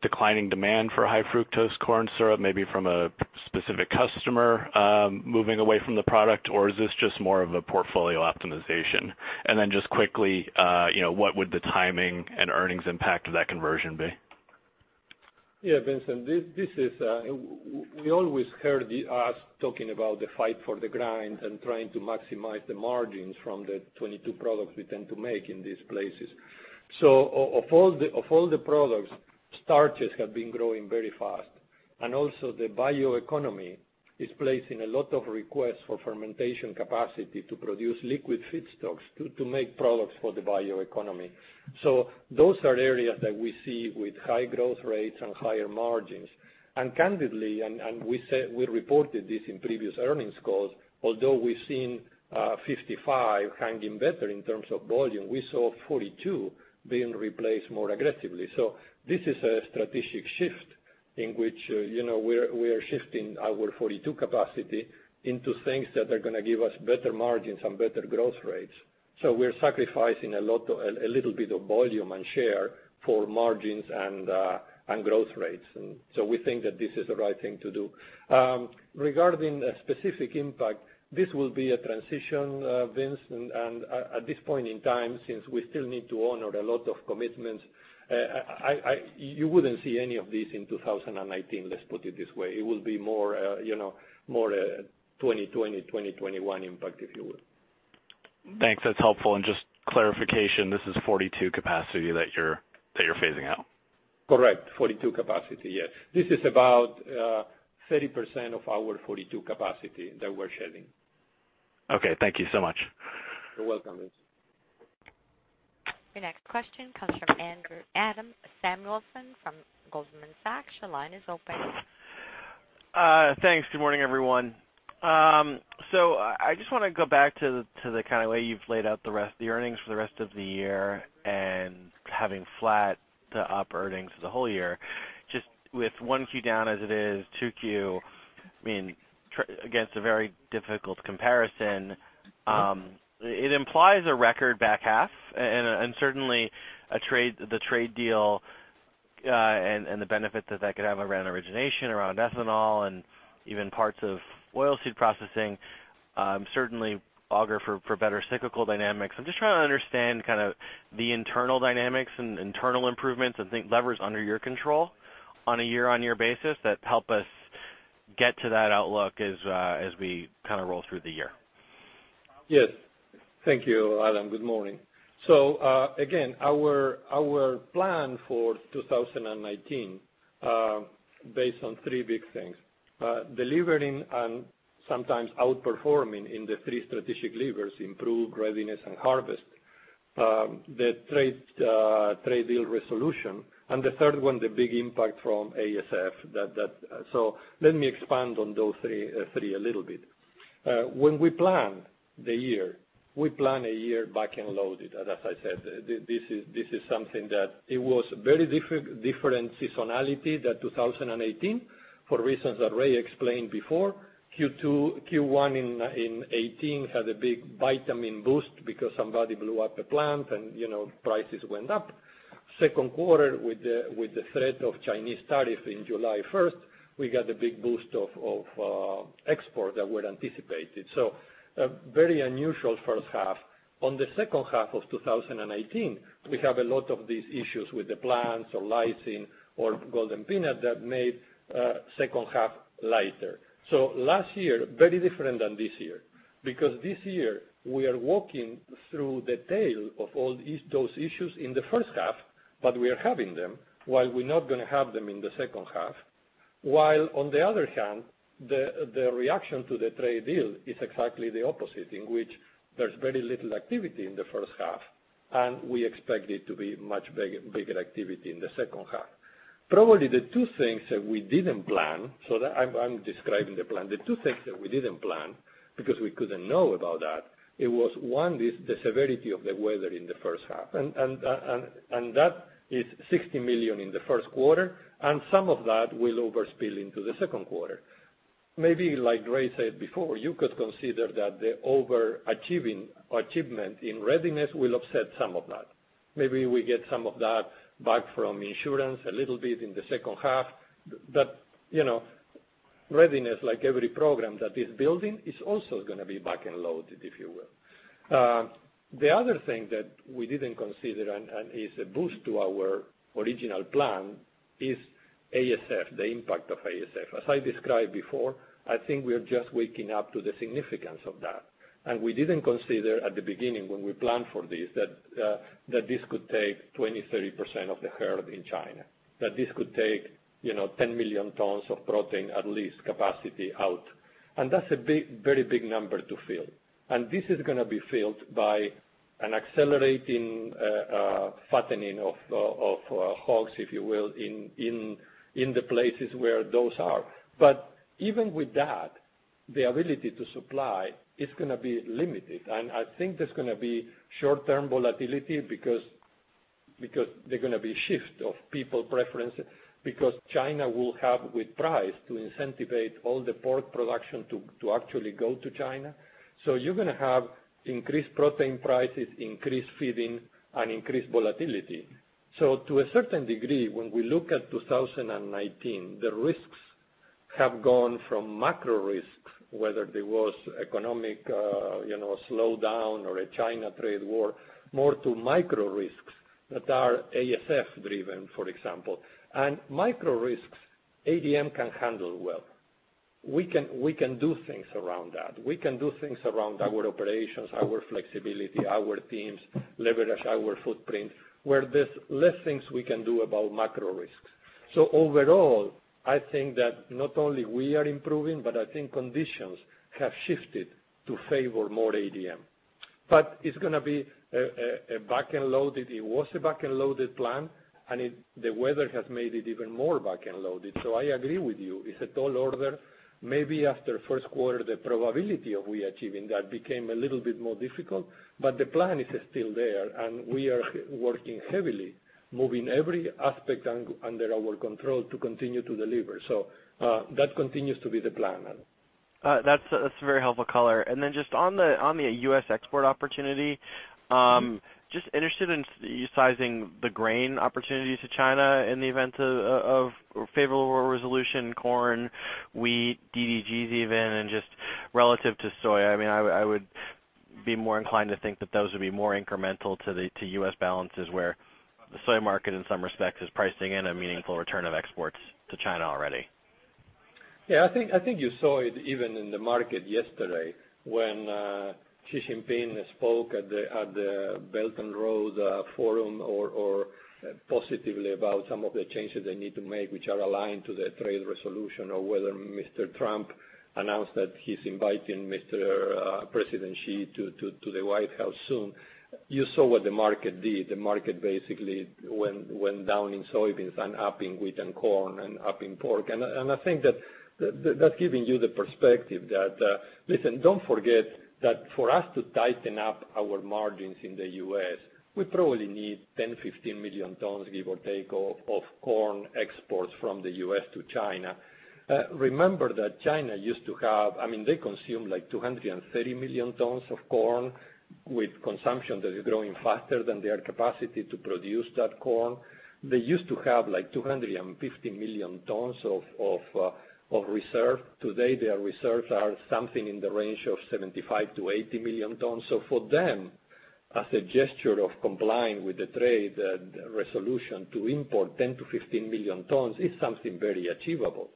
[SPEAKER 8] declining demand for high-fructose corn syrup, maybe from a specific customer moving away from the product, or is this just more of a portfolio optimization? Then just quickly, what would the timing and earnings impact of that conversion be?
[SPEAKER 3] Yeah, Vincent. We always heard us talking about the fight for the grind and trying to maximize the margins from the 22 products we tend to make in these places. Of all the products, starches have been growing very fast. Also the bioeconomy is placing a lot of requests for fermentation capacity to produce liquid feedstocks to make products for the bioeconomy. Those are areas that we see with high growth rates and higher margins. Candidly, and we reported this in previous earnings calls, although we've seen 55 hanging better in terms of volume, we saw 42 being replaced more aggressively. This is a strategic shift in which we are shifting our 42 capacity into things that are going to give us better margins and better growth rates. We're sacrificing a little bit of volume and share for margins and growth rates. We think that this is the right thing to do. Regarding a specific impact, this will be a transition, Vince, at this point in time, since we still need to honor a lot of commitments, you wouldn't see any of this in 2019, let's put it this way. It will be more 2020, 2021 impact, if you will.
[SPEAKER 8] Thanks. That's helpful. Just clarification, this is '42 capacity that you're phasing out?
[SPEAKER 3] Correct. '42 capacity. Yes. This is about 30% of our '42 capacity that we're shedding.
[SPEAKER 8] Okay, thank you so much.
[SPEAKER 3] You're welcome, Vince.
[SPEAKER 1] Your next question comes from Adam Samuelson from Goldman Sachs. Your line is open.
[SPEAKER 9] Thanks. Good morning, everyone. I just want to go back to the way you've laid out the rest of the earnings for the rest of the year and having flat to up earnings for the whole year. Just with one Q down as it is, two Q, against a very difficult comparison, it implies a record back half and certainly the trade deal and the benefit that that could have around origination, around ethanol, and even parts of oil seed processing. Certainly augur for better cyclical dynamics. I'm just trying to understand the internal dynamics and internal improvements and think levers under your control on a year-on-year basis that help us get to that outlook as we roll through the year.
[SPEAKER 3] Yes. Thank you, Adam. Good morning. Again, our plan for 2019 based on three big things. Delivering and sometimes outperforming in the three strategic levers, improve, Readiness, and harvest, the trade deal resolution, and the third one, the big impact from ASF. Let me expand on those three a little bit. When we plan the year, we plan a year back and loaded. As I said, this is something that it was very different seasonality than 2018 for reasons that Ray explained before. Q1 in 2018 had a big vitamin boost because somebody blew up a plant and prices went up. Second quarter with the threat of Chinese tariff in July 1st, we got a big boost of export that were anticipated. A very unusual first half. On the second half of 2018, we have a lot of these issues with the plants or lysine or Golden Peanut that made second half lighter. Last year, very different than this year. This year, we are walking through the tail of all those issues in the first half, but we are having them while we're not going to have them in the second half. While on the other hand, the reaction to the trade deal is exactly the opposite, in which there's very little activity in the first half, and we expect it to be much bigger activity in the second half. Probably the two things that we didn't plan, I'm describing the plan, the two things that we didn't plan because we couldn't know about that, it was one, the severity of the weather in the first half. That is $60 million in the first quarter, and some of that will overspill into the second quarter. Maybe like Ray said before, you could consider that the overachievement in Readiness will offset some of that. Maybe we get some of that back from insurance a little bit in the second half, but Readiness, like every program that is building, is also going to be back and loaded, if you will. The other thing that we didn't consider and is a boost to our original plan is ASF, the impact of ASF. As I described before, I think we are just waking up to the significance of that. We didn't consider at the beginning when we planned for this, that this could take 20%-30% of the herd in China, that this could take 10 million tons of protein, at least capacity out. That's a very big number to fill. This is going to be filled by an accelerating fattening of hogs, if you will, in the places where those are. Even with that, the ability to supply is going to be limited. I think there's going to be short-term volatility because there are going to be shift of people preference because China will have with price to incentivize all the pork production to actually go to China. You're going to have increased protein prices, increased feeding, and increased volatility. To a certain degree, when we look at 2019, the risks have gone from macro risks, whether there was economic slowdown or a China trade war, more to micro risks that are ASF driven, for example. Micro risks, ADM can handle well. We can do things around that. We can do things around our operations, our flexibility, our teams, leverage our footprint. Where there's less things we can do about macro risks. Overall, I think that not only we are improving, but I think conditions have shifted to favor more ADM. It's going to be a back-ended loaded. It was a back-ended loaded plan, the weather has made it even more back-ended loaded. I agree with you. It's a tall order. Maybe after first quarter, the probability of we achieving that became a little bit more difficult, but the plan is still there, we are working heavily, moving every aspect under our control to continue to deliver. That continues to be the plan.
[SPEAKER 9] That's a very helpful color. Then just on the U.S. export opportunity, just interested in you sizing the grain opportunity to China in the event of favorable resolution, corn, wheat, DDGs even, and just relative to soy. I would be more inclined to think that those would be more incremental to U.S. balances where the soy market in some respects is pricing in a meaningful return of exports to China already.
[SPEAKER 3] I think you saw it even in the market yesterday when Xi Jinping spoke at the Belt and Road Forum or positively about some of the changes they need to make, which are aligned to the trade resolution, or whether Mr. Trump announced that he's inviting President Xi to the White House soon. You saw what the market did. The market basically went down in soybeans and up in wheat and corn and up in pork. I think that that's giving you the perspective that, listen, don't forget that for us to tighten up our margins in the U.S., we probably need 10, 15 million tons, give or take, of corn exports from the U.S. to China. Remember that China used to have, they consume like 230 million tons of corn with consumption that is growing faster than their capacity to produce that corn. They used to have 250 million tons of reserve. Today, their reserves are something in the range of 75 million-80 million tons. For them as a gesture of complying with the trade resolution to import 10 million-15 million tons is something very achievable.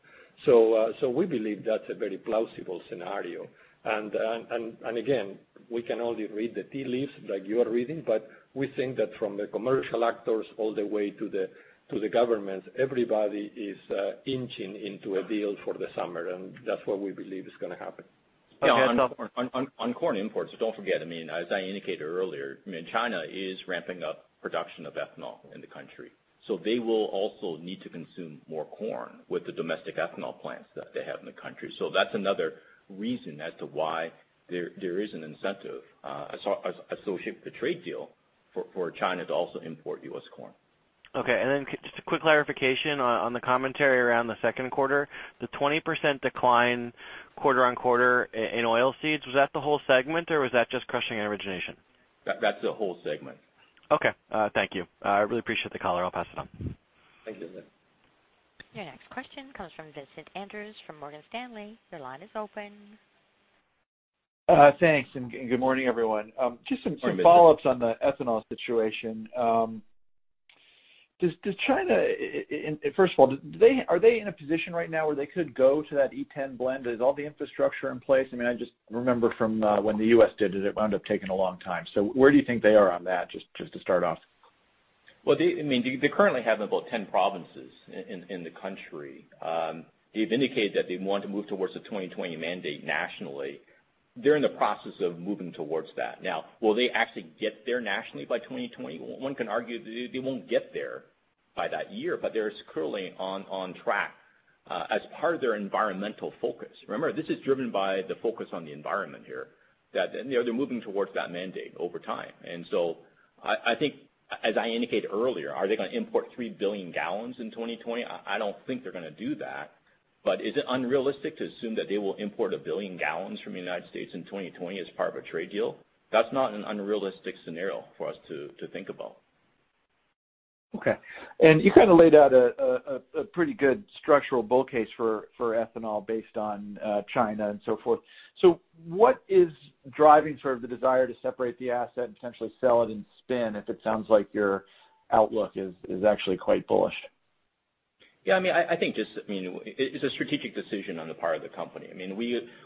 [SPEAKER 3] We believe that's a very plausible scenario. Again, we can only read the tea leaves like you are reading, but we think that from the commercial actors all the way to the government, everybody is inching into a deal for the summer, and that's what we believe is going to happen.
[SPEAKER 4] On corn imports, don't forget, as I indicated earlier, China is ramping up production of ethanol in the country. They will also need to consume more corn with the domestic ethanol plants that they have in the country. That's another reason as to why there is an incentive associated with the trade deal for China to also import U.S. corn.
[SPEAKER 9] Okay. Just a quick clarification on the commentary around the second quarter. The 20% decline quarter-over-quarter in oilseeds, was that the whole segment or was that just crushing and origination?
[SPEAKER 4] That's the whole segment.
[SPEAKER 9] Okay. Thank you. I really appreciate the color. I'll pass it on.
[SPEAKER 4] Thank you.
[SPEAKER 1] Your next question comes from Vincent Andrews from Morgan Stanley. Your line is open.
[SPEAKER 10] Thanks, good morning, everyone.
[SPEAKER 4] Good morning, Vincent.
[SPEAKER 10] Just some follow-ups on the ethanol situation. First of all, are they in a position right now where they could go to that E10 blend? Is all the infrastructure in place? I just remember from when the U.S. did it wound up taking a long time. Where do you think they are on that, just to start off?
[SPEAKER 4] Well, they currently have about 10 provinces in the country. They've indicated that they want to move towards the 2020 mandate nationally. They're in the process of moving towards that. Now, will they actually get there nationally by 2020? One can argue they won't get there by that year, but they're currently on track as part of their environmental focus. Remember, this is driven by the focus on the environment here, that they're moving towards that mandate over time. I think, as I indicated earlier, are they going to import 3 billion gallons in 2020? I don't think they're going to do that. Is it unrealistic to assume that they will import a billion gallons from the United States in 2020 as part of a trade deal? That's not an unrealistic scenario for us to think about.
[SPEAKER 10] Okay. You kind of laid out a pretty good structural bull case for ethanol based on China and so forth. What is driving sort of the desire to separate the asset and potentially sell it and spin if it sounds like your outlook is actually quite bullish?
[SPEAKER 4] Yeah, I think it's a strategic decision on the part of the company.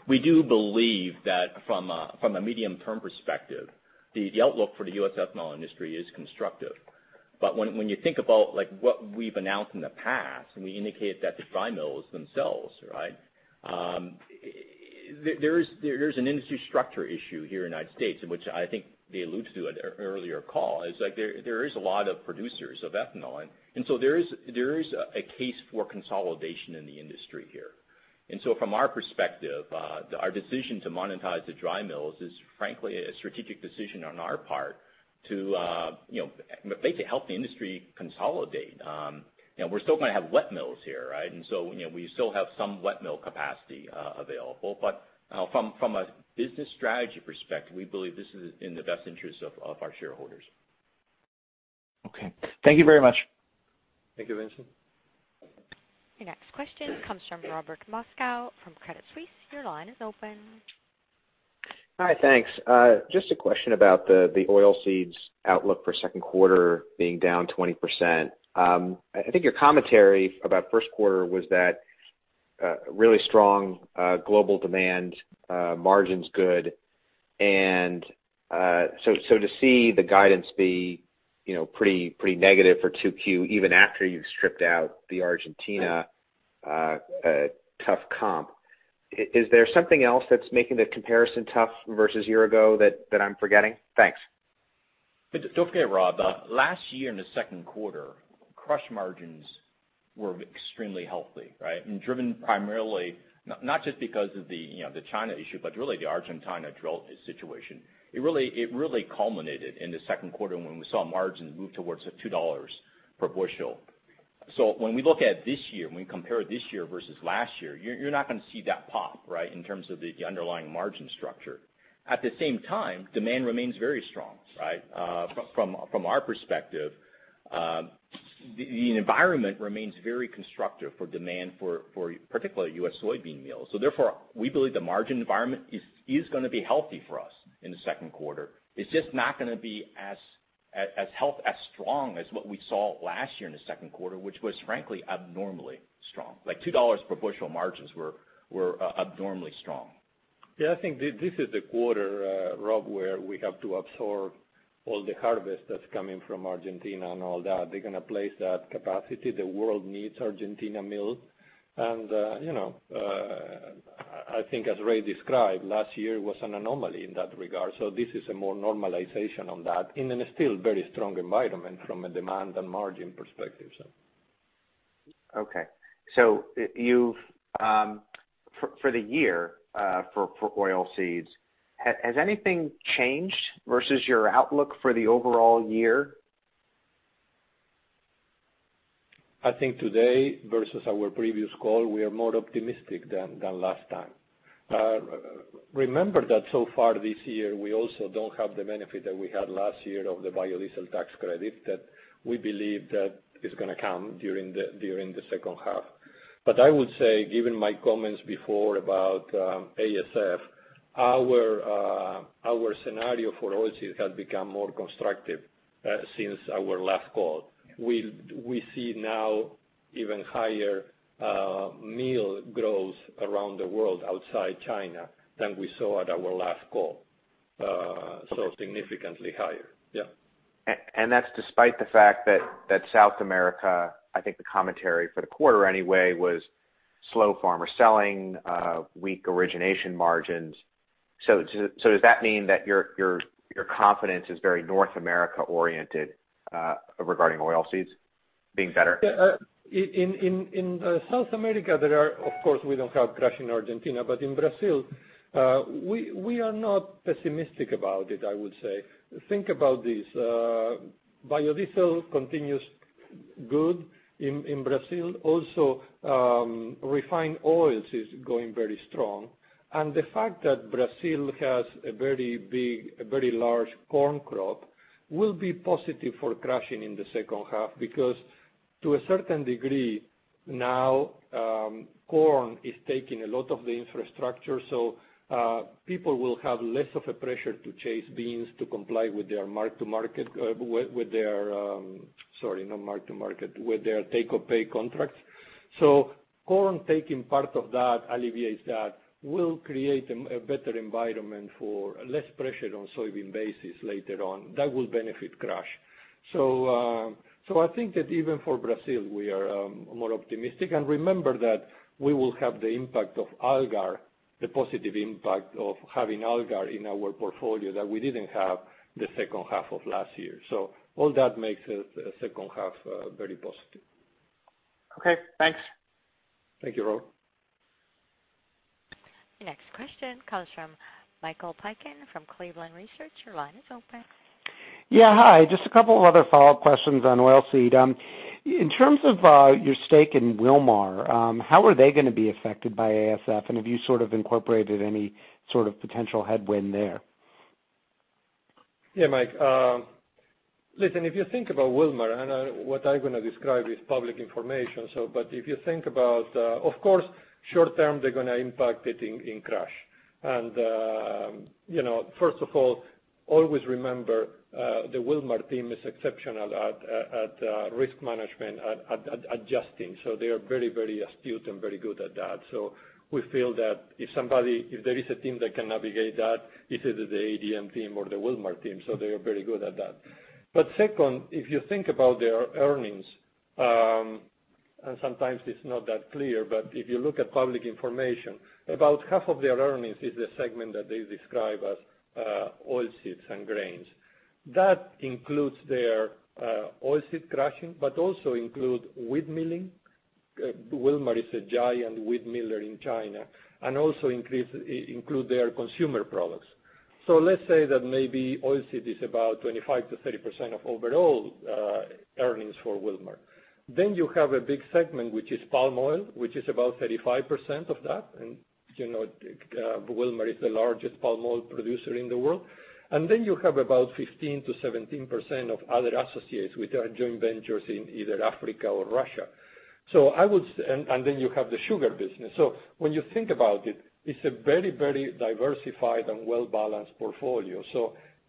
[SPEAKER 4] We do believe that from a medium-term perspective, the outlook for the U.S. ethanol industry is constructive. When you think about what we've announced in the past, and we indicate that the dry mills themselves, there's an industry structure issue here in the United States, and which I think they allude to in an earlier call, is there is a lot of producers of ethanol. There is a case for consolidation in the industry here. From our perspective, our decision to monetize the dry mills is frankly a strategic decision on our part to basically help the industry consolidate. We're still going to have wet mills here. We still have some wet mill capacity available. From a business strategy perspective, we believe this is in the best interest of our shareholders.
[SPEAKER 10] Okay. Thank you very much.
[SPEAKER 4] Thank you, Vincent.
[SPEAKER 1] Your next question comes from Robert Moskow from Credit Suisse. Your line is open.
[SPEAKER 11] Hi, thanks. Just a question about the oilseeds outlook for second quarter being down 20%. I think your commentary about first quarter was that really strong global demand, margins good. To see the guidance be pretty negative for 2Q, even after you've stripped out the Argentina tough comp, is there something else that's making the comparison tough versus a year ago that I'm forgetting? Thanks.
[SPEAKER 4] Don't forget, Rob, last year in the second quarter, crush margins were extremely healthy. Driven primarily not just because of the China issue, but really the Argentina drought situation. It really culminated in the second quarter when we saw margins move towards $2 per bushel. When we look at this year, when we compare this year versus last year, you're not going to see that pop in terms of the underlying margin structure. At the same time, demand remains very strong. From our perspective, the environment remains very constructive for demand for particularly U.S. soybean meals. Therefore, we believe the margin environment is going to be healthy for us in the second quarter. It's just not going to be as strong as what we saw last year in the second quarter, which was frankly abnormally strong. Like $2 per bushel margins were abnormally strong.
[SPEAKER 3] Yeah, I think this is the quarter, Rob, where we have to absorb all the harvest that's coming from Argentina and all that. They're going to place that capacity. The world needs Argentina mill. I think as Ray described, last year was an anomaly in that regard. This is a more normalization on that in an still very strong environment from a demand and margin perspective.
[SPEAKER 11] Okay. For the year, for oilseeds, has anything changed versus your outlook for the overall year?
[SPEAKER 3] I think today versus our previous call, we are more optimistic than last time. Remember that so far this year, we also don't have the benefit that we had last year of the biodiesel tax credit that we believe that is going to come during the second half. I would say, given my comments before about ASF, our scenario for oilseeds has become more constructive since our last call. We see now even higher meal growth around the world outside China than we saw at our last call. Significantly higher. Yeah.
[SPEAKER 11] That's despite the fact that South America, I think the commentary for the quarter anyway, was slow farmer selling, weak origination margins. Does that mean that your confidence is very North America-oriented regarding oilseeds being better?
[SPEAKER 3] Yeah. In South America, there are, of course, we don't have crush in Argentina, but in Brazil, we are not pessimistic about it, I would say. Think about this. Biodiesel continues good in Brazil. Also, refined oils is going very strong. The fact that Brazil has a very big, a very large corn crop will be positive for crushing in the second half, because to a certain degree now, corn is taking a lot of the infrastructure. People will have less of a pressure to chase beans to comply with their mark to market, with their, sorry, not mark to market, with their take-or-pay contracts. Corn taking part of that alleviates that, will create a better environment for less pressure on soybean basis later on. That will benefit crush. I think that even for Brazil, we are more optimistic. Remember that we will have the impact of Algar, the positive impact of having Algar in our portfolio that we didn't have the second half of last year. All that makes the second half very positive.
[SPEAKER 11] Okay, thanks.
[SPEAKER 3] Thank you, Rob.
[SPEAKER 1] The next question comes from Michael Piken from Cleveland Research. Your line is open.
[SPEAKER 12] Yeah, hi, just a couple of other follow-up questions on oilseed. In terms of your stake in Wilmar, how are they going to be affected by ASF? Have you sort of incorporated any sort of potential headwind there?
[SPEAKER 3] Yeah, Mike. Listen, if you think about Wilmar, what I'm going to describe is public information, but if you think about, of course, short-term, they're going to impact it in crush. First of all, always remember, the Wilmar team is exceptional at risk management, at adjusting. They are very astute and very good at that. We feel that if there is a team that can navigate that, it is either the ADM team or the Wilmar team. They are very good at that. Second, if you think about their earnings, sometimes it's not that clear, but if you look at public information, about half of their earnings is the segment that they describe as oilseeds and grains. That includes their oilseed crushing, but also include wheat milling. Wilmar is a giant wheat miller in China, also include their consumer products. Let's say that maybe oilseed is about 25%-30% of overall earnings for Wilmar. You have a big segment, which is palm oil, which is about 35% of that. Wilmar is the largest palm oil producer in the world. You have about 15%-17% of other associates with our joint ventures in either Africa or Russia. You have the sugar business. When you think about it's a very diversified and well-balanced portfolio.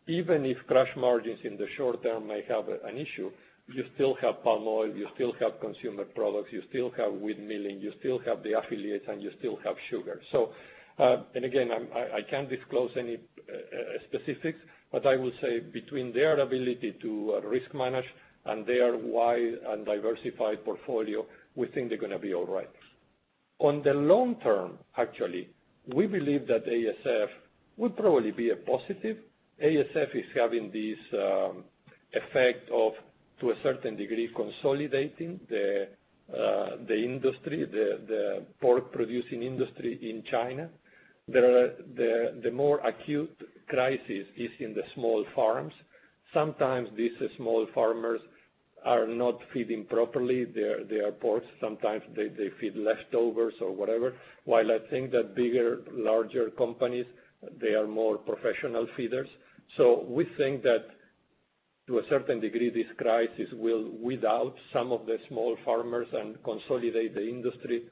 [SPEAKER 3] Even if crush margins in the short-term may have an issue, you still have palm oil, you still have consumer products, you still have wheat milling, you still have the affiliates, and you still have sugar. Again, I can't disclose any specifics, but I will say between their ability to risk manage and their wide and diversified portfolio, we think they're going to be all right. On the long-term, actually, we believe that ASF would probably be a positive. ASF is having this effect of, to a certain degree, consolidating the industry, the pork producing industry in China. The more acute crisis is in the small farms. Sometimes these small farmers are not feeding properly their pork. Sometimes they feed leftovers or whatever. While I think that bigger, larger companies, they are more professional feeders. We think that to a certain degree, this crisis will weed out some of the small farmers and consolidate the industry.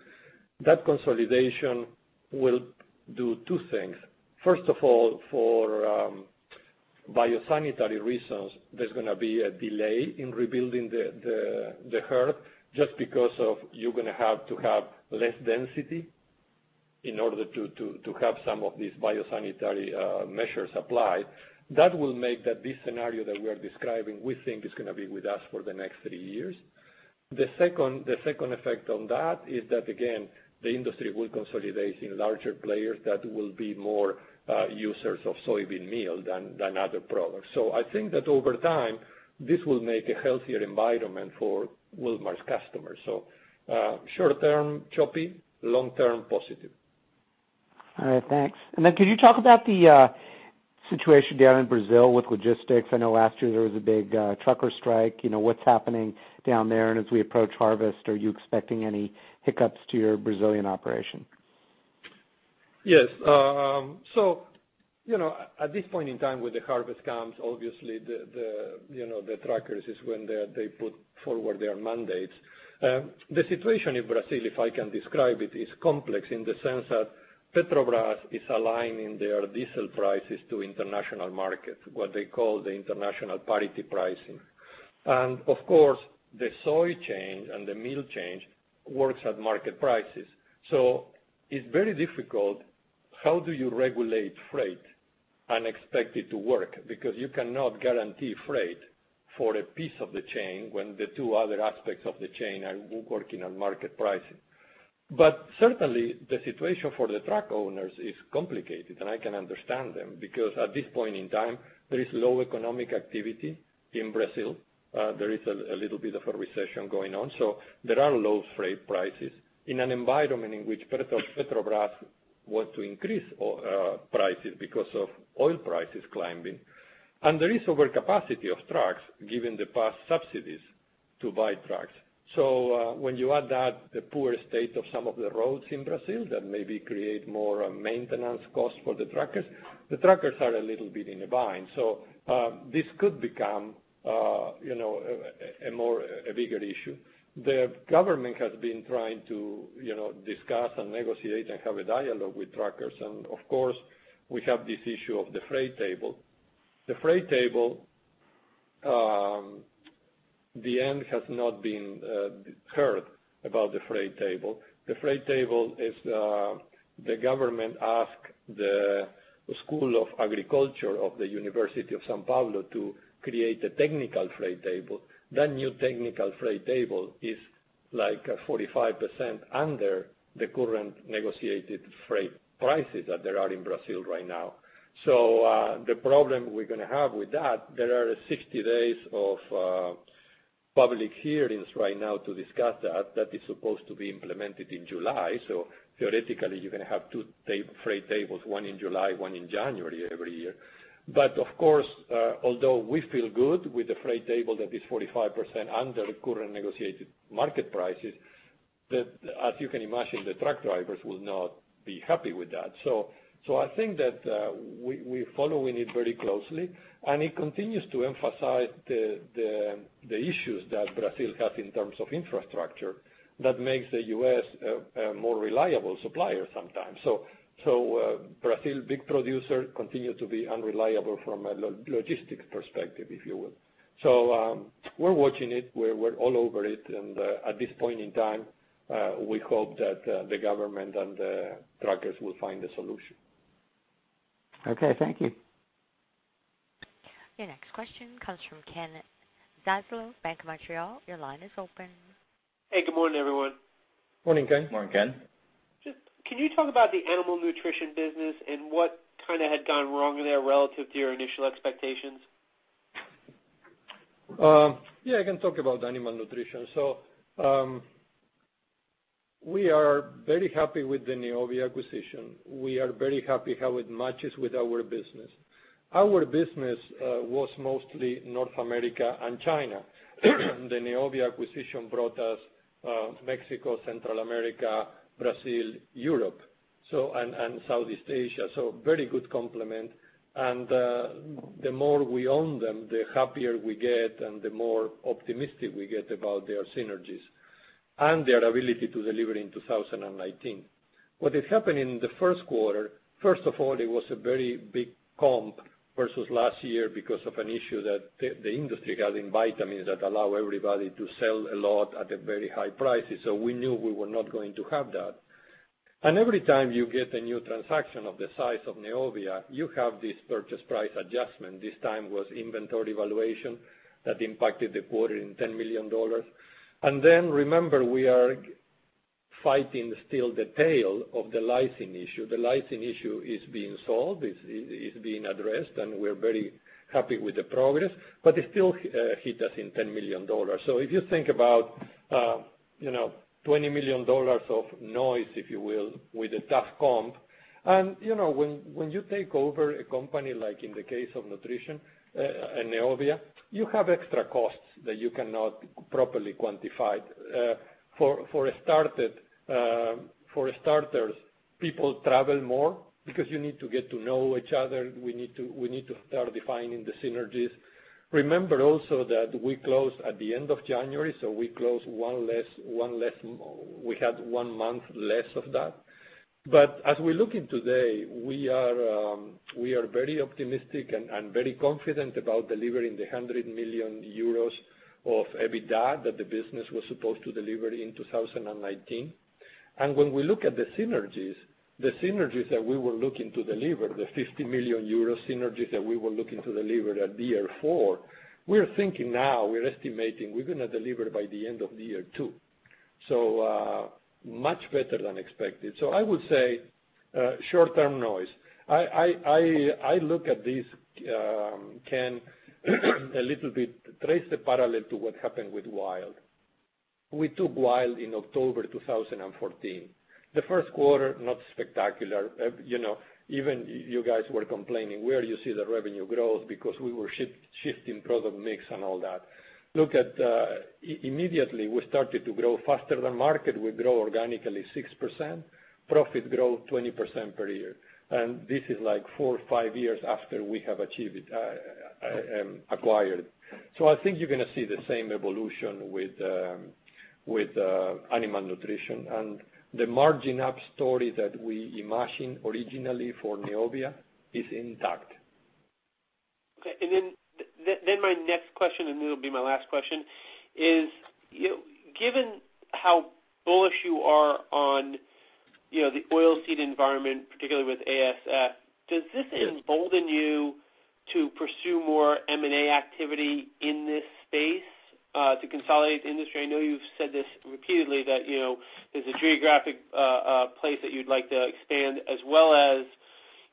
[SPEAKER 3] That consolidation will do two things. First of all, for bio-sanitary reasons, there's going to be a delay in rebuilding the herd, just because of you're going to have to have less density in order to have some of these bio-sanitary measures applied. That will make that this scenario that we are describing, we think, is going to be with us for the next three years. The second effect on that is that, again, the industry will consolidate in larger players that will be more users of soybean meal than other products. I think that over time, this will make a healthier environment for Wilmar's customers. Short term, choppy, long term, positive.
[SPEAKER 12] All right, thanks. Could you talk about the situation down in Brazil with logistics? I know last year there was a big trucker strike. What's happening down there? As we approach harvest, are you expecting any hiccups to your Brazilian operation?
[SPEAKER 3] Yes. At this point in time with the harvest comes, obviously, the truckers is when they put forward their mandates. The situation in Brazil, if I can describe it, is complex in the sense that Petrobras is aligning their diesel prices to international markets, what they call the international parity pricing. Of course, the soy chain and the meal chain works at market prices. It's very difficult, how do you regulate freight and expect it to work? Because you cannot guarantee freight for a piece of the chain when the two other aspects of the chain are working on market pricing. Certainly the situation for the truck owners is complicated, and I can understand them because at this point in time, there is low economic activity in Brazil. There is a little bit of a recession going on. There are low freight prices in an environment in which Petrobras want to increase prices because of oil prices climbing. There is overcapacity of trucks given the past subsidies to buy trucks. When you add that, the poor state of some of the roads in Brazil, that maybe create more maintenance costs for the truckers. The truckers are a little bit in a bind. This could become a bigger issue. The government has been trying to discuss and negotiate and have a dialogue with truckers. Of course, we have this issue of the freight table. The freight table, the end has not been heard about the freight table. The freight table is the government ask the School of Agriculture of the University of São Paulo to create a technical freight table. That new technical freight table is like 45% under the current negotiated freight prices that there are in Brazil right now. The problem we're going to have with that, there are 60 days of public hearings right now to discuss that. That is supposed to be implemented in July. Theoretically, you're going to have two freight tables, one in July, one in January every year. Of course, although we feel good with the freight table that is 45% under current negotiated market prices, as you can imagine, the truck drivers will not be happy with that. I think that, we're following it very closely, and it continues to emphasize the issues that Brazil has in terms of infrastructure that makes the U.S. a more reliable supplier sometimes. Brazil, big producer, continues to be unreliable from a logistics perspective, if you will. We're watching it. We're all over it. At this point in time, we hope that the government and the truckers will find a solution.
[SPEAKER 12] Okay. Thank you.
[SPEAKER 1] Your next question comes from Kenneth Zaslow, BMO Capital Markets. Your line is open.
[SPEAKER 13] Hey, good morning, everyone.
[SPEAKER 3] Morning, Ken.
[SPEAKER 4] Morning, Ken.
[SPEAKER 13] Just, can you talk about the animal nutrition business and what kind of had gone wrong there relative to your initial expectations?
[SPEAKER 3] Yeah, I can talk about animal nutrition. We are very happy with the Neovia acquisition. We are very happy how it matches with our business. Our business was mostly North America and China. The Neovia acquisition brought us Mexico, Central America, Brazil, Europe, and Southeast Asia. Very good complement. The more we own them, the happier we get and the more optimistic we get about their synergies and their ability to deliver in 2019. What had happened in the first quarter, first of all, it was a very big comp versus last year because of an issue that the industry had in vitamins that allow everybody to sell a lot at very high prices. We knew we were not going to have that. Every time you get a new transaction of the size of Neovia, you have this purchase price adjustment. This time was inventory valuation that impacted the quarter in $10 million. Remember, we are fighting still the tail of the lysine issue. The lysine issue is being solved. It's being addressed, and we're very happy with the progress, but it still hit us in $10 million. If you think about, $20 million of noise, if you will, with a tough comp. When you take over a company like in the case of nutrition and Neovia, you have extra costs that you cannot properly quantify. For starters, people travel more because you need to get to know each other. We need to start defining the synergies. Remember also that we closed at the end of January, so we had one month less of that. As we look in today, we are very optimistic and very confident about delivering the 100 million euros of EBITDA that the business was supposed to deliver in 2019. When we look at the synergies, the synergies that we were looking to deliver, the 50 million euro synergies that we were looking to deliver at year four, we're thinking now, we're estimating we're going to deliver by the end of year two. Much better than expected. I would say, short-term noise. I look at this, Ken, a little bit, trace the parallel to what happened with Wild. We took Wild in October 2014. The first quarter, not spectacular. Even you guys were complaining, where you see the revenue growth because we were shifting product mix and all that. Look at, immediately we started to grow faster than market. We grow organically 6%, profit growth 20% per year. This is like four or five years after we have acquired. I think you're going to see the same evolution with animal nutrition. The margin up story that we imagined originally for Neovia is intact.
[SPEAKER 13] Okay. My next question, and then it will be my last question, is given how bullish you are on the oil seed environment, particularly with ASF, does this embolden you to pursue more M&A activity in this space, to consolidate industry? I know you've said this repeatedly, that there's a geographic place that you'd like to expand as well as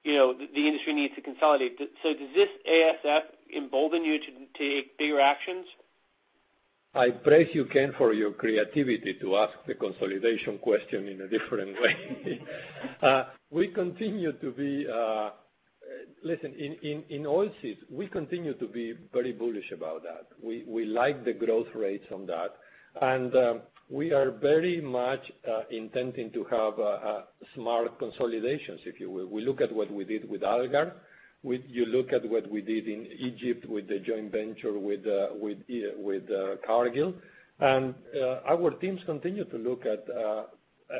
[SPEAKER 13] the industry needs to consolidate. Does this ASF embolden you to take bigger actions?
[SPEAKER 3] I praise you, Ken, for your creativity to ask the consolidation question in a different way. Listen, in oil seeds, we continue to be very bullish about that. We like the growth rates on that. We are very much intending to have smart consolidations, if you will. We look at what we did with Algar. You look at what we did in Egypt with the joint venture with Cargill. Our teams continue to look at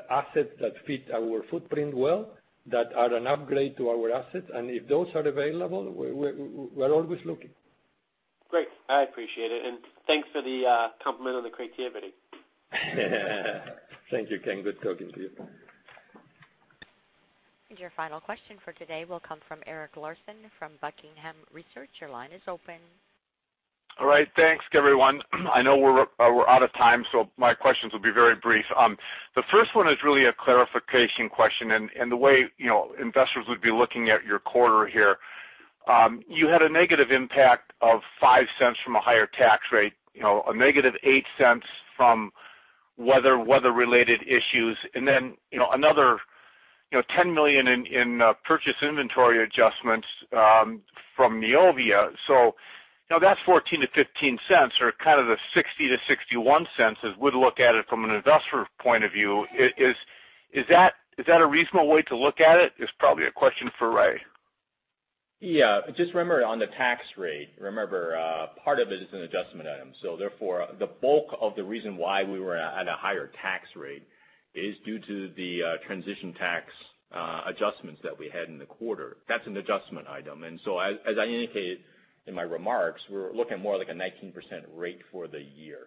[SPEAKER 3] assets that fit our footprint well, that are an upgrade to our assets. If those are available, we are always looking.
[SPEAKER 13] Great. I appreciate it. Thanks for the compliment on the creativity.
[SPEAKER 3] Thank you, Ken. Good talking to you.
[SPEAKER 1] Your final question for today will come from Eric Larson from The Buckingham Research Group. Your line is open.
[SPEAKER 14] All right. Thanks, everyone. I know we're out of time, my questions will be very brief. The first one is really a clarification question, the way investors would be looking at your quarter here. You had a negative impact of $0.05 from a higher tax rate, a negative $0.08 from weather-related issues, then another $10 million in purchase inventory adjustments from Neovia. Now that's $0.14-$0.15 or kind of the $0.60-$0.61 as we'd look at it from an investor point of view. Is that a reasonable way to look at it? It's probably a question for Ray.
[SPEAKER 4] Yeah, just remember on the tax rate, remember, part of it is an adjustment item. The bulk of the reason why we were at a higher tax rate is due to the transition tax adjustments that we had in the quarter. That's an adjustment item. As I indicated in my remarks, we're looking more like a 19% rate for the year.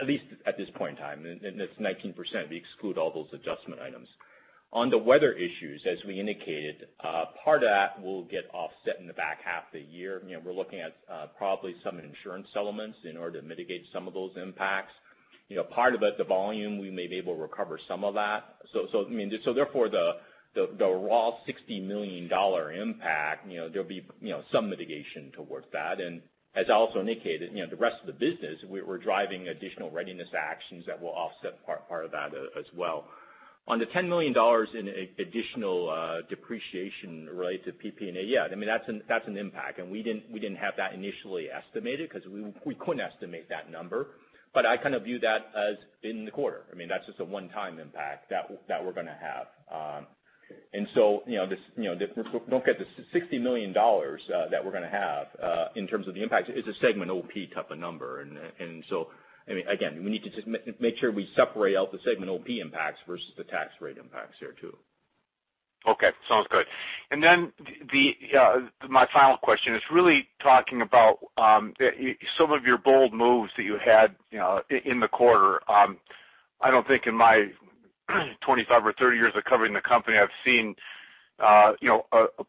[SPEAKER 4] At least at this point in time. It's 19%, we exclude all those adjustment items. On the weather issues, as we indicated, part of that will get offset in the back half of the year. We're looking at probably some insurance settlements in order to mitigate some of those impacts. Part of it, the volume, we may be able to recover some of that. The raw $60 million impact, there'll be some mitigation towards that. As I also indicated, the rest of the business, we're driving additional Readiness actions that will offset part of that as well. On the $10 million in additional depreciation related to PPA, yeah, that's an impact. We didn't have that initially estimated because we couldn't estimate that number. I kind of view that as in the quarter. That's just a one-time impact that we're going to have. Look at the $60 million that we're going to have in terms of the impact is a segment OP type of number. Again, we need to just make sure we separate out the segment OP impacts versus the tax rate impacts here, too.
[SPEAKER 14] Okay. Sounds good. My final question is really talking about some of your bold moves that you had in the quarter. I don't think in my 25 or 30 years of covering the company, I've seen a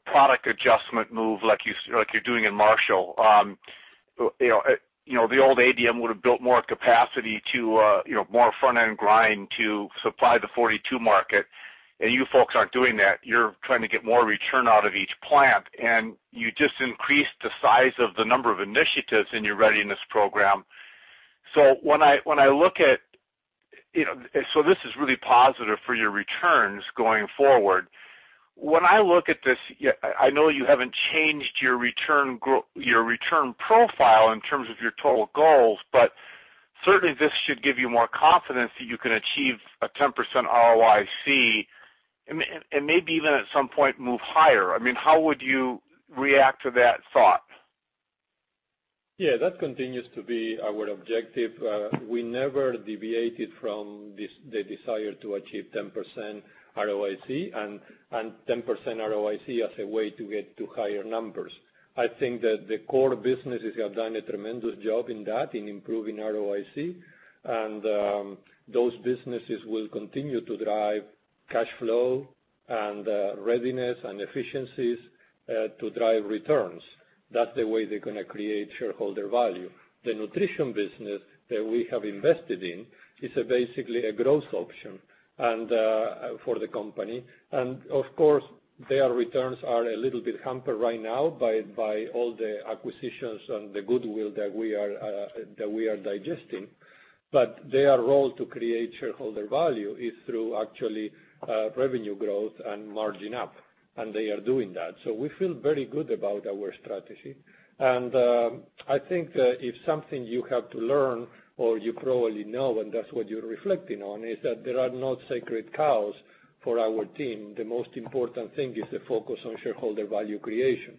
[SPEAKER 14] product adjustment move like you're doing in Marshall. The old ADM would have built more capacity to more front-end grind to supply the 42 market. You folks aren't doing that. You're trying to get more return out of each plant, and you just increased the size of the number of initiatives in your Readiness program. This is really positive for your returns going forward. When I look at this, I know you haven't changed your return profile in terms of your total goals, but certainly this should give you more confidence that you can achieve a 10% ROIC and maybe even at some point move higher. How would you react to that thought?
[SPEAKER 3] Yeah, that continues to be our objective. We never deviated from the desire to achieve 10% ROIC and 10% ROIC as a way to get to higher numbers. I think that the core businesses have done a tremendous job in that, in improving ROIC, and those businesses will continue to drive cash flow and Readiness and efficiencies to drive returns. That's the way they're going to create shareholder value. The nutrition business that we have invested in is basically a growth option for the company. Of course, their returns are a little bit hampered right now by all the acquisitions and the goodwill that we are digesting. Their role to create shareholder value is through actually revenue growth and margin up, and they are doing that. We feel very good about our strategy. I think if something you have to learn or you probably know, and that's what you're reflecting on, is that there are no sacred cows for our team. The most important thing is the focus on shareholder value creation.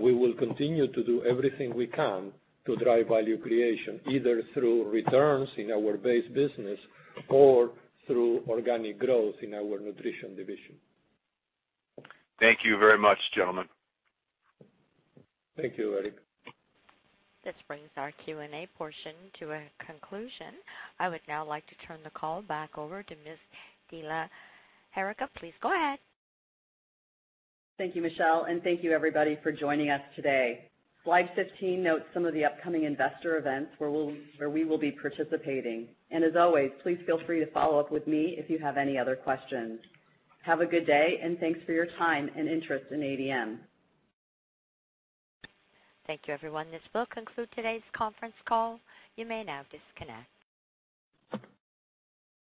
[SPEAKER 3] We will continue to do everything we can to drive value creation, either through returns in our base business or through organic growth in our nutrition division.
[SPEAKER 14] Thank you very much, gentlemen.
[SPEAKER 3] Thank you, Eric.
[SPEAKER 1] This brings our Q&A portion to a conclusion. I would now like to turn the call back over to Ms. de la Huerga. Please go ahead.
[SPEAKER 2] Thank you, Michelle, thank you everybody for joining us today. Slide 15 notes some of the upcoming investor events where we will be participating. As always, please feel free to follow up with me if you have any other questions. Have a good day, thanks for your time and interest in ADM.
[SPEAKER 1] Thank you, everyone. This will conclude today's conference call. You may now disconnect.